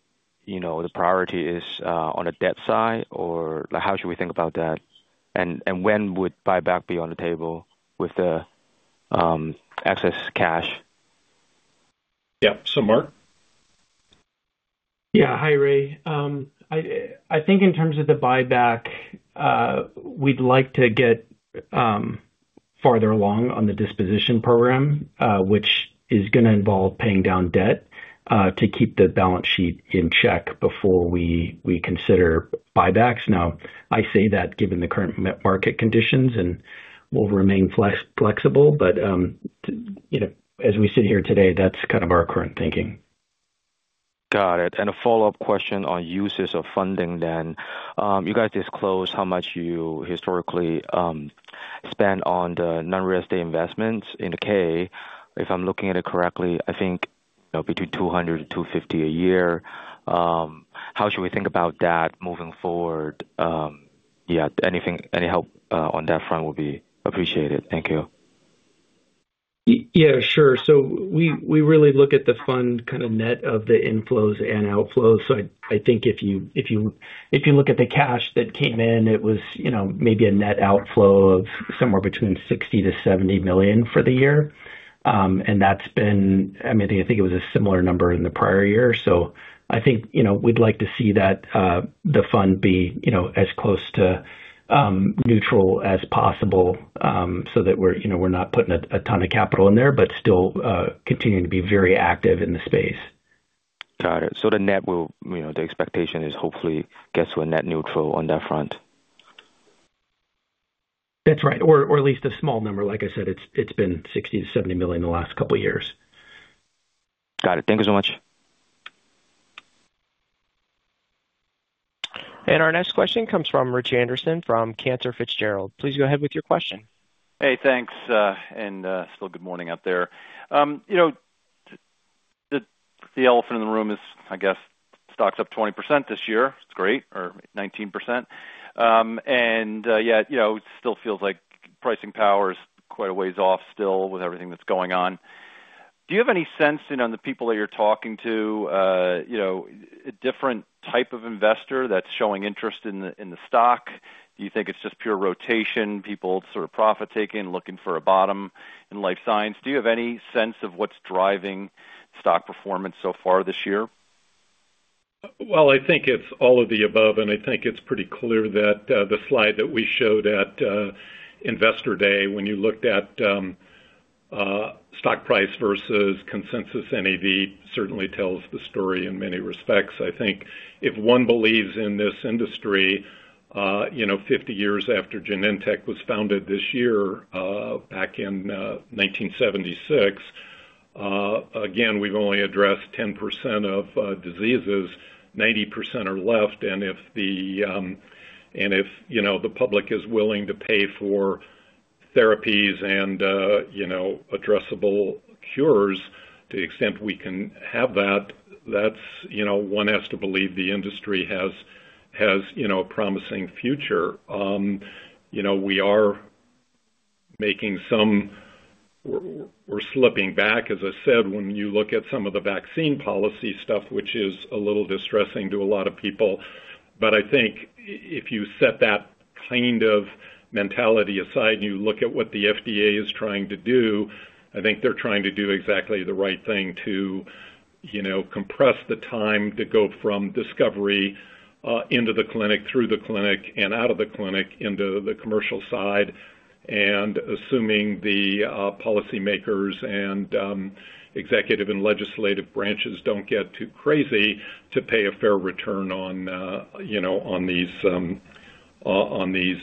the priority is on the debt side? Or how should we think about that? And when would buyback be on the table with the excess cash? Yeah. So Marc? Yeah. Hi, Ray. I think in terms of the buyback, we'd like to get farther along on the disposition program, which is going to involve paying down debt to keep the balance sheet in check before we consider buybacks. Now, I say that given the current market conditions and will remain flexible. But as we sit here today, that's kind of our current thinking. Got it. And a follow-up question on uses of funding then. You guys disclose how much you historically spend on the non-real estate investments in the 10-K. If I'm looking at it correctly, I think between $200-$250 a year. How should we think about that moving forward? Yeah. Any help on that front would be appreciated. Thank you. Yeah. Sure. So we really look at the fund kind of net of the inflows and outflows. So I think if you look at the cash that came in, it was maybe a net outflow of somewhere between $60 million-$70 million for the year. And that's been, I mean, I think it was a similar number in the prior year. So I think we'd like to see that the fund be as close to neutral as possible so that we're not putting a ton of capital in there, but still continuing to be very active in the space. Got it. So the net will, the expectation is hopefully get to a net neutral on that front. That's right. Or at least a small number. Like I said, it's been $60 million-$70 million in the last couple of years. Got it. Thank you so much. And our next question comes from Rich Anderson from Cantor Fitzgerald. Please go ahead with your question. Hey, thanks. Still good morning out there. The elephant in the room is, I guess, stocks up 20% this year. It's great. Or 19%. Yeah, it still feels like pricing power is quite a ways off still with everything that's going on. Do you have any sense on the people that you're talking to, a different type of investor that's showing interest in the stock? Do you think it's just pure rotation, people sort of profit-taking, looking for a bottom in life science? Do you have any sense of what's driving stock performance so far this year? Well, I think it's all of the above. I think it's pretty clear that the slide that we showed at Investor Day, when you looked at stock price versus consensus NAV, certainly tells the story in many respects. I think if one believes in this industry, 50 years after Genentech was founded this year, back in 1976, again, we've only addressed 10% of diseases. 90% are left. And if the public is willing to pay for therapies and addressable cures to the extent we can have that, that's one has to believe the industry has a promising future. We are making some we're slipping back, as I said, when you look at some of the vaccine policy stuff, which is a little distressing to a lot of people. But I think if you set that kind of mentality aside and you look at what the FDA is trying to do, I think they're trying to do exactly the right thing to compress the time to go from discovery into the clinic, through the clinic, and out of the clinic into the commercial side. Assuming the policymakers and executive and legislative branches don't get too crazy to pay a fair return on these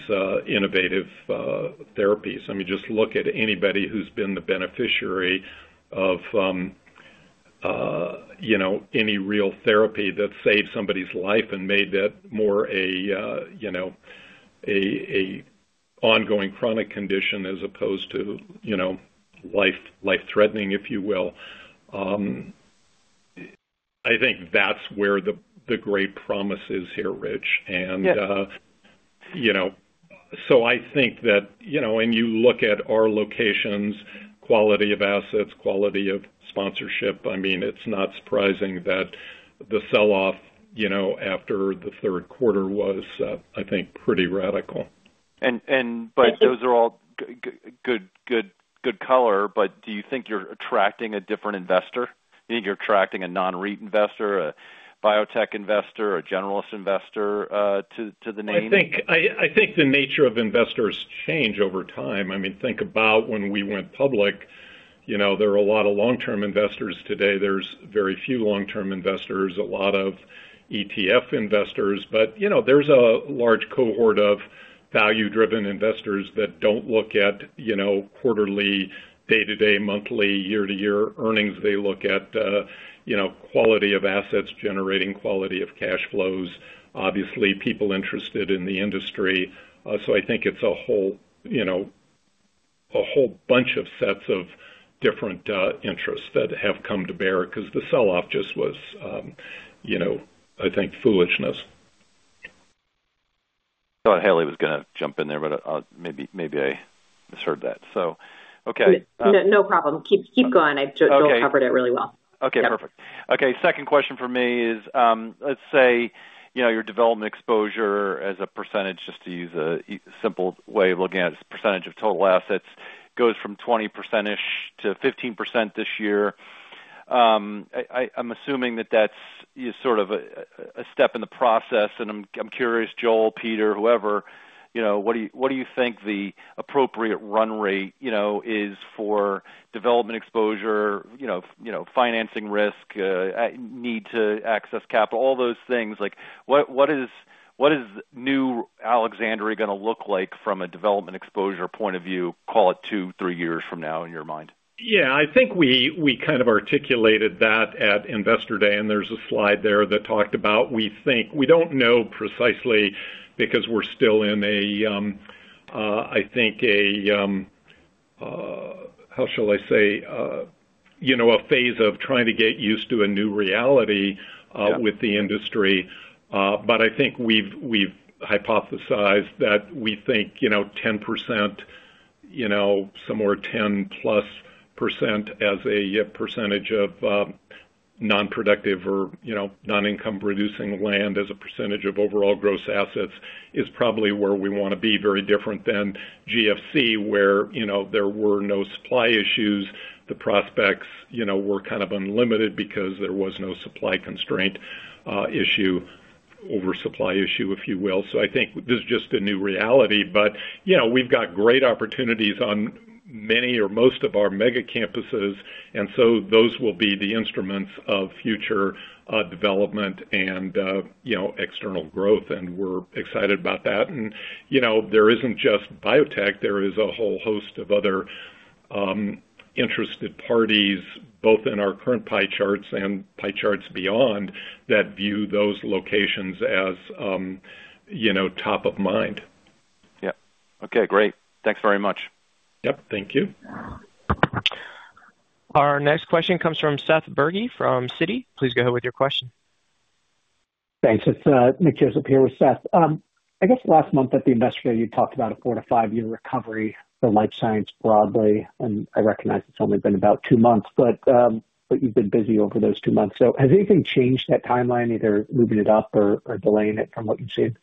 innovative therapies. I mean, just look at anybody who's been the beneficiary of any real therapy that saved somebody's life and made that more a ongoing chronic condition as opposed to life-threatening, if you will. I think that's where the great promise is here, Rich. And so I think that when you look at our locations, quality of assets, quality of sponsorship, I mean, it's not surprising that the selloff after the third quarter was, I think, pretty radical. And those are all good color. But do you think you're attracting a different investor? Do you think you're attracting a non-REIT investor, a biotech investor, a generalist investor to the name? I think the nature of investors change over time. I mean, think about when we went public. There are a lot of long-term investors today. There's very few long-term investors, a lot of ETF investors. But there's a large cohort of value-driven investors that don't look at quarterly, day-to-day, monthly, year-to-year earnings. They look at quality of assets generating quality of cash flows, obviously, people interested in the industry. So I think it's a whole bunch of sets of different interests that have come to bear because the selloff just was, I think, foolishness. I thought Hallie was going to jump in there, but maybe I misheard that. So okay. No problem. Keep going. I just covered it really well. Okay. Perfect. Okay. Second question for me is, let's say your development exposure as a percentage, just to use a simple way of looking at it, as a percentage of total assets goes from 20%-ish to 15%-ish this year. I'm assuming that that's sort of a step in the process. I'm curious, Joel, Peter, whoever, what do you think the appropriate run rate is for development exposure, financing risk, need to access capital, all those things? What is new Alexandria going to look like from a development exposure point of view, call it two, three years from now in your mind? Yeah. I think we kind of articulated that at Investor Day. There's a slide there that talked about we think we don't know precisely because we're still in a, I think, a how shall I say, a phase of trying to get used to a new reality with the industry. But I think we've hypothesized that we think 10%, some more 10%+ as a percentage of non-productive or non-income-producing land as a percentage of overall gross assets is probably where we want to be, very different than GFC where there were no supply issues. The prospects were kind of unlimited because there was no supply constraint issue, oversupply issue, if you will. So I think this is just a new reality. But we've got great opportunities on many or most of our Mega Campuses. And so those will be the instruments of future development and external growth. And we're excited about that. And there isn't just biotech. There is a whole host of other interested parties, both in our current pie charts and pie charts beyond, that view those locations as top of mind. Yeah. Okay. Great. Thanks very much. Yep. Thank you. Our next question comes from Seth Berge from Citi. Please go ahead with your question. Thanks. It's Nick Joseph here with Seth. I guess last month at the Investor Day, you talked about a four to five year recovery for life science broadly. And I recognize it's only been about two months. But you've been busy over those two months. So has anything changed that timeline, either moving it up or delaying it from what you've seen?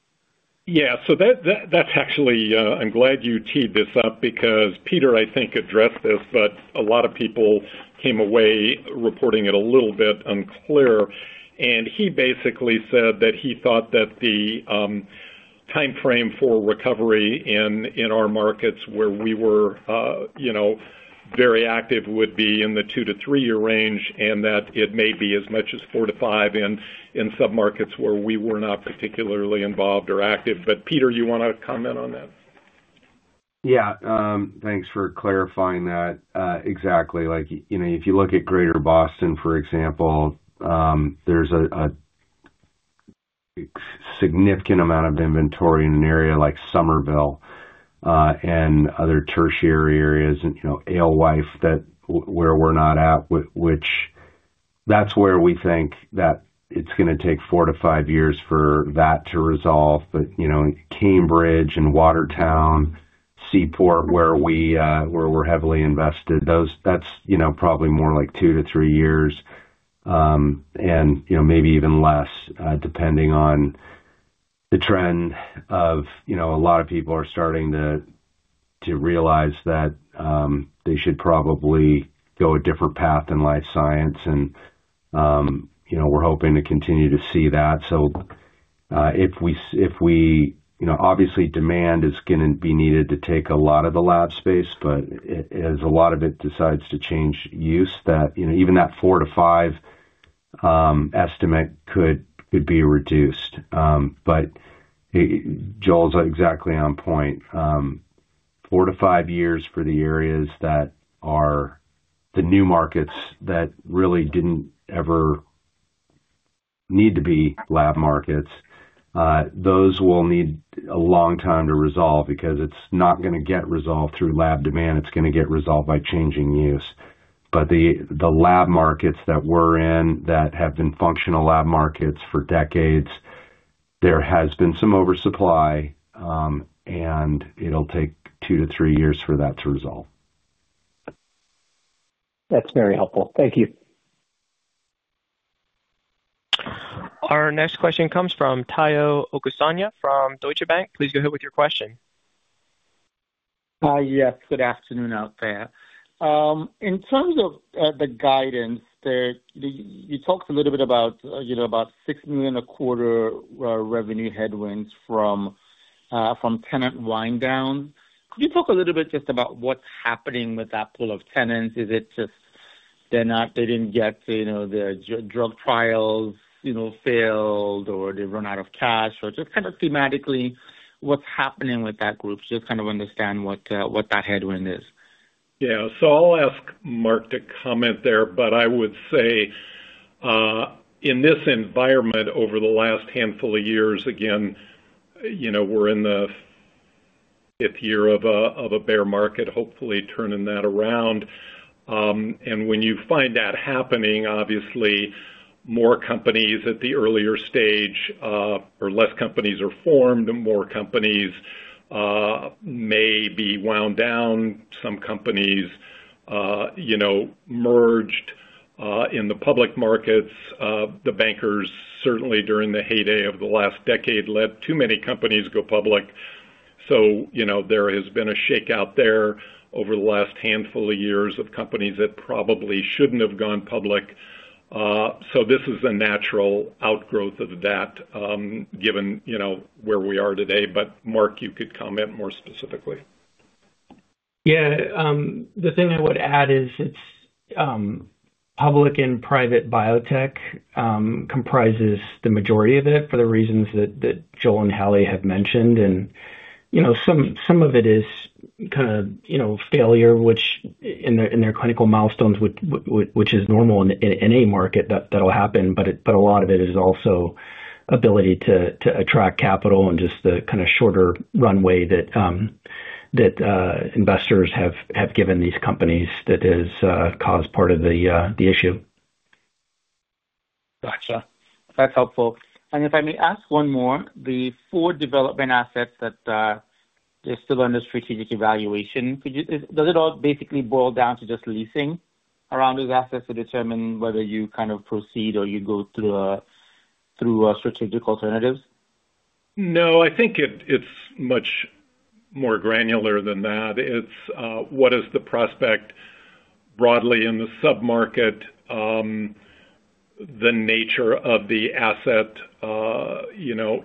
Yeah. So that's actually I'm glad you teed this up because Peter, I think, addressed this. But a lot of people came away reporting it a little bit unclear. He basically said that he thought that the timeframe for recovery in our markets where we were very active would be in the two to threeyear range and that it may be as much as four to five in submarkets where we were not particularly involved or active. But Peter, you want to comment on that? Yeah. Thanks for clarifying that. Exactly. If you look at Greater Boston, for example, there's a significant amount of inventory in an area like Somerville and other tertiary areas, and Alewife where we're not at, which that's where we think that it's going to take four to five years for that to resolve. But Cambridge and Watertown, Seaport, where we're heavily invested, that's probably more like two to three years and maybe even less, depending on the trend of a lot of people are starting to realize that they should probably go a different path in life science. And we're hoping to continue to see that. So if we obviously, demand is going to be needed to take a lot of the lab space. But as a lot of it decides to change use, even that four to five estimate could be reduced. But Joel's exactly on point. Four to five years for the areas that are the new markets that really didn't ever need to be lab markets, those will need a long time to resolve because it's not going to get resolved through lab demand. It's going to get resolved by changing use. But the lab markets that we're in that have been functional lab markets for decades, there has been some oversupply. And it'll take two to three years for that to resolve. That's very helpful. Thank you. Our next question comes from Tayo Okusanya from Deutsche Bank. Please go ahead with your question. Hi. Yes. Good afternoon out there. In terms of the guidance, you talked a little bit about $6.25 million revenue headwinds from tenant wind down. Could you talk a little bit just about what's happening with that pool of tenants? Is it just they didn't get their drug trials failed, or they run out of cash? Or just kind of thematically, what's happening with that group? Just kind of understand what that headwind is. Yeah. So I'll ask Marc to comment there. But I would say in this environment over the last handful of years, again, we're in the fifth year of a bear market, hopefully turning that around. And when you find that happening, obviously, more companies at the earlier stage or less companies are formed, and more companies may be wound down. Some companies merged in the public markets. The bankers, certainly during the heyday of the last decade, let too many companies go public. So there has been a shakeout there over the last handful of years of companies that probably shouldn't have gone public. So this is a natural outgrowth of that given where we are today. But Marc, you could comment more specifically. Yeah. The thing I would add is it's public and private biotech comprises the majority of it for the reasons that Joel and Hallie have mentioned. And some of it is kind of failures in their clinical milestones, which is normal in any market. That'll happen. But a lot of it is also ability to attract capital and just the kind of shorter runway that investors have given these companies that has caused part of the issue. Gotcha. That's helpful. And if I may ask one more, the four development assets that are still under strategic evaluation, does it all basically boil down to just leasing around these assets to determine whether you kind of proceed or you go through strategic alternatives? No. I think it's much more granular than that. It's what is the prospect broadly in the submarket, the nature of the asset,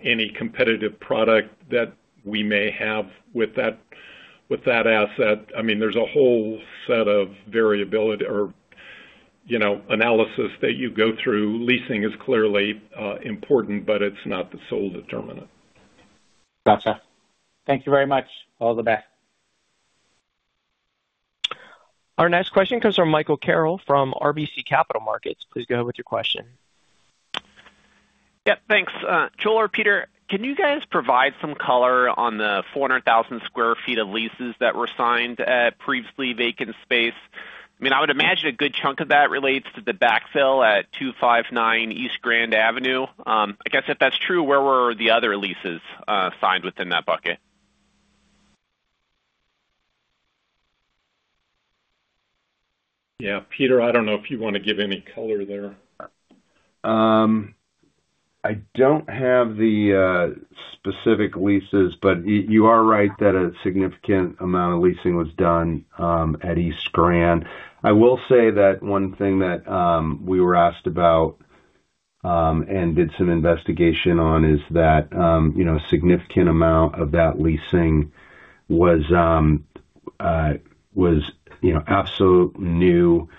any competitive product that we may have with that asset. I mean, there's a whole set of variability or analysis that you go through. Leasing is clearly important, but it's not the sole determinant. Gotcha. Thank you very much. All the best. Our next question comes from Michael Carroll from RBC Capital Markets. Please go ahead with your question. Yep. Thanks. Joel or Peter, can you guys provide some color on the 400,000 sq ft of leases that were signed at previously vacant space? I mean, I would imagine a good chunk of that relates to the backfill at 259 East Grand Avenue. I guess if that's true, where were the other leases signed within that bucket? Yeah. Peter, I don't know if you want to give any color there. I don't have the specific leases. But you are right that a significant amount of leasing was done at East Grand. I will say that one thing that we were asked about and did some investigation on is that a significant amount of that leasing was absolutely new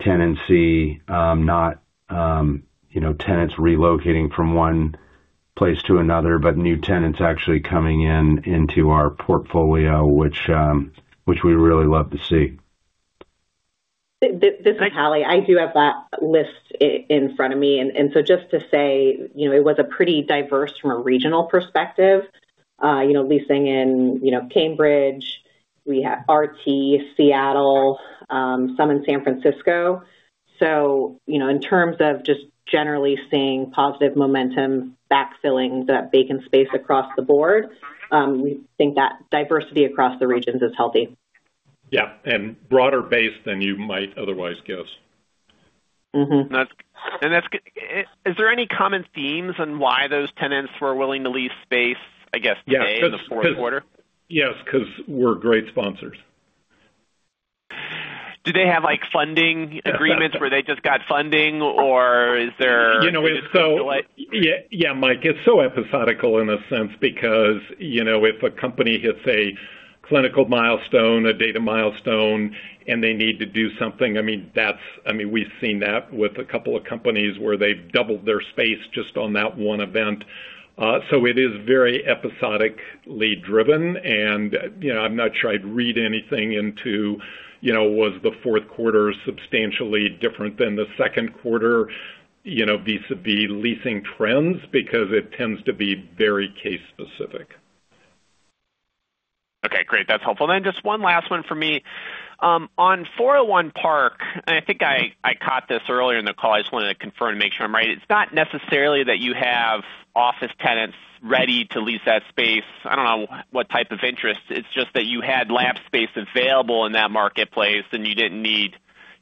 tenancy, not tenants relocating from one place to another, but new tenants actually coming into our portfolio, which we really love to see. This is Hallie. I do have that list in front of me. So just to say, it was pretty diverse from a regional perspective, leasing in Cambridge. We have RT, Seattle, some in San Francisco. So in terms of just generally seeing positive momentum, backfilling that vacant space across the board, we think that diversity across the regions is healthy. Yeah. And broader-based than you might otherwise guess. And is there any common themes on why those tenants were willing to lease space, I guess, today in the fourth quarter? Yes. Because we're great sponsors. Do they have funding agreements where they just got funding? Or is there? Yeah. Mike, it's so episodic in a sense because if a company hits a clinical milestone, a data milestone, and they need to do something, I mean, we've seen that with a couple of companies where they've doubled their space just on that one event. So it is very episodically driven. And I'm not sure I'd read anything into was the fourth quarter substantially different than the second quarter vis-à-vis leasing trends because it tends to be very case-specific. Okay. Great. That's helpful. And then just one last one for me. On 401 Park, and I think I caught this earlier in the call. I just wanted to confirm to make sure I'm right. It's not necessarily that you have office tenants ready to lease that space. I don't know what type of interest. It's just that you had lab space available in that marketplace, and you didn't need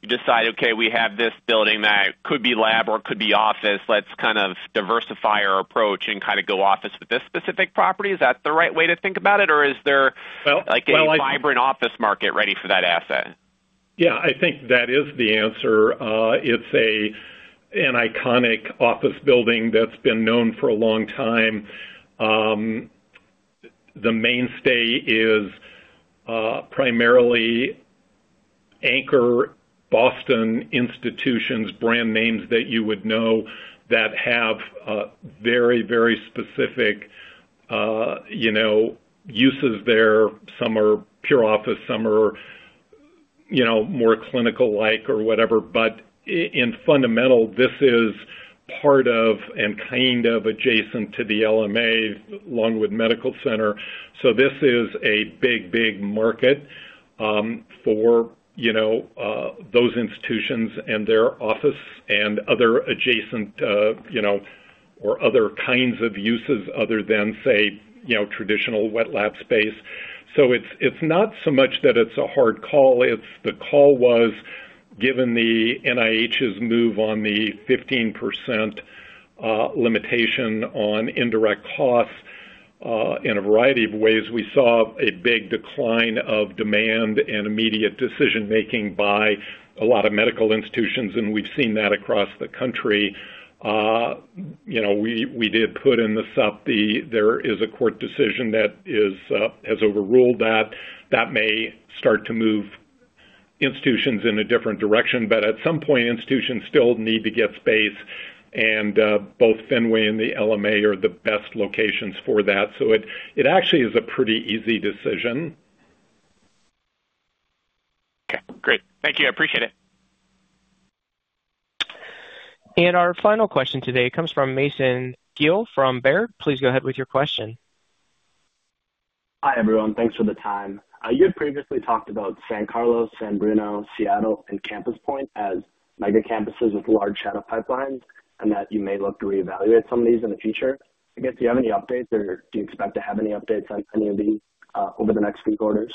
to decide, "Okay. We have this building that could be lab or could be office. Let's kind of diversify our approach and kind of go office with this specific property." Is that the right way to think about it? Or is there a vibrant office market ready for that asset? Yeah. I think that is the answer. It's an iconic office building that's been known for a long time. The mainstay is primarily anchor Boston institutions, brand names that you would know that have very, very specific uses there. Some are pure office. Some are more clinical-like or whatever. But fundamentally, this is part of and kind of adjacent to the LMA, Longwood Medical Area. So this is a big, big market for those institutions and their office and other adjacent or other kinds of uses other than, say, traditional wet lab space. So it's not so much that it's a hard call. The call was, given the NIH's move on the 15% limitation on indirect costs in a variety of ways, we saw a big decline of demand and immediate decision-making by a lot of medical institutions. And we've seen that across the country. We did put in the Supp. There is a court decision that has overruled that. That may start to move institutions in a different direction. But at some point, institutions still need to get space. And both Fenway and the LMA are the best locations for that. So it actually is a pretty easy decision. Okay. Great. Thank you. I appreciate it. Our final question today comes from Mason Guell from Baird. Please go ahead with your question. Hi, everyone. Thanks for the time. You had previously talked about San Carlos, San Bruno, Seattle, and Campus Point as Mega Campuses with large shadow pipelines and that you may look to reevaluate some of these in the future. I guess, do you have any updates? Or do you expect to have any updates on any of these over the next few quarters?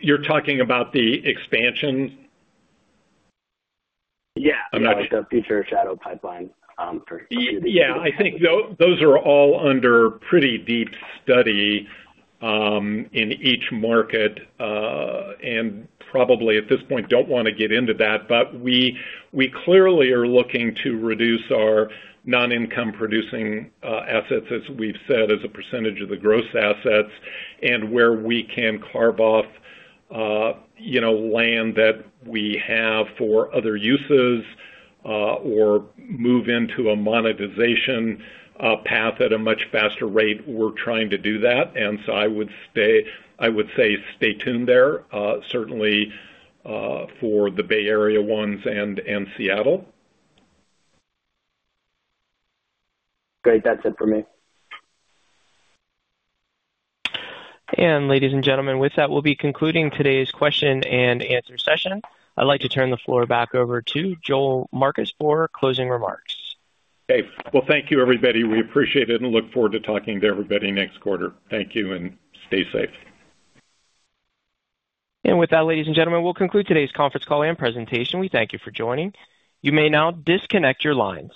You're talking about the expansion? Yeah. The future shadow pipeline for. Yeah. I think those are all under pretty deep study in each market. And probably at this point, don't want to get into that. But we clearly are looking to reduce our non-income-producing assets, as we've said, as a percentage of the gross assets and where we can carve off land that we have for other uses or move into a monetization path at a much faster rate. We're trying to do that. And so I would say stay tuned there, certainly for the Bay Area ones and Seattle. Great. That's it for me. And ladies and gentlemen, with that, we'll be concluding today's question and answer session. I'd like to turn the floor back over to Joel Marcus for closing remarks. Okay. Well, thank you, everybody. We appreciate it and look forward to talking to everybody next quarter. Thank you. And stay safe. And with that, ladies and gentlemen, we'll conclude today's conference call and presentation. We thank you for joining. You may now disconnect your lines.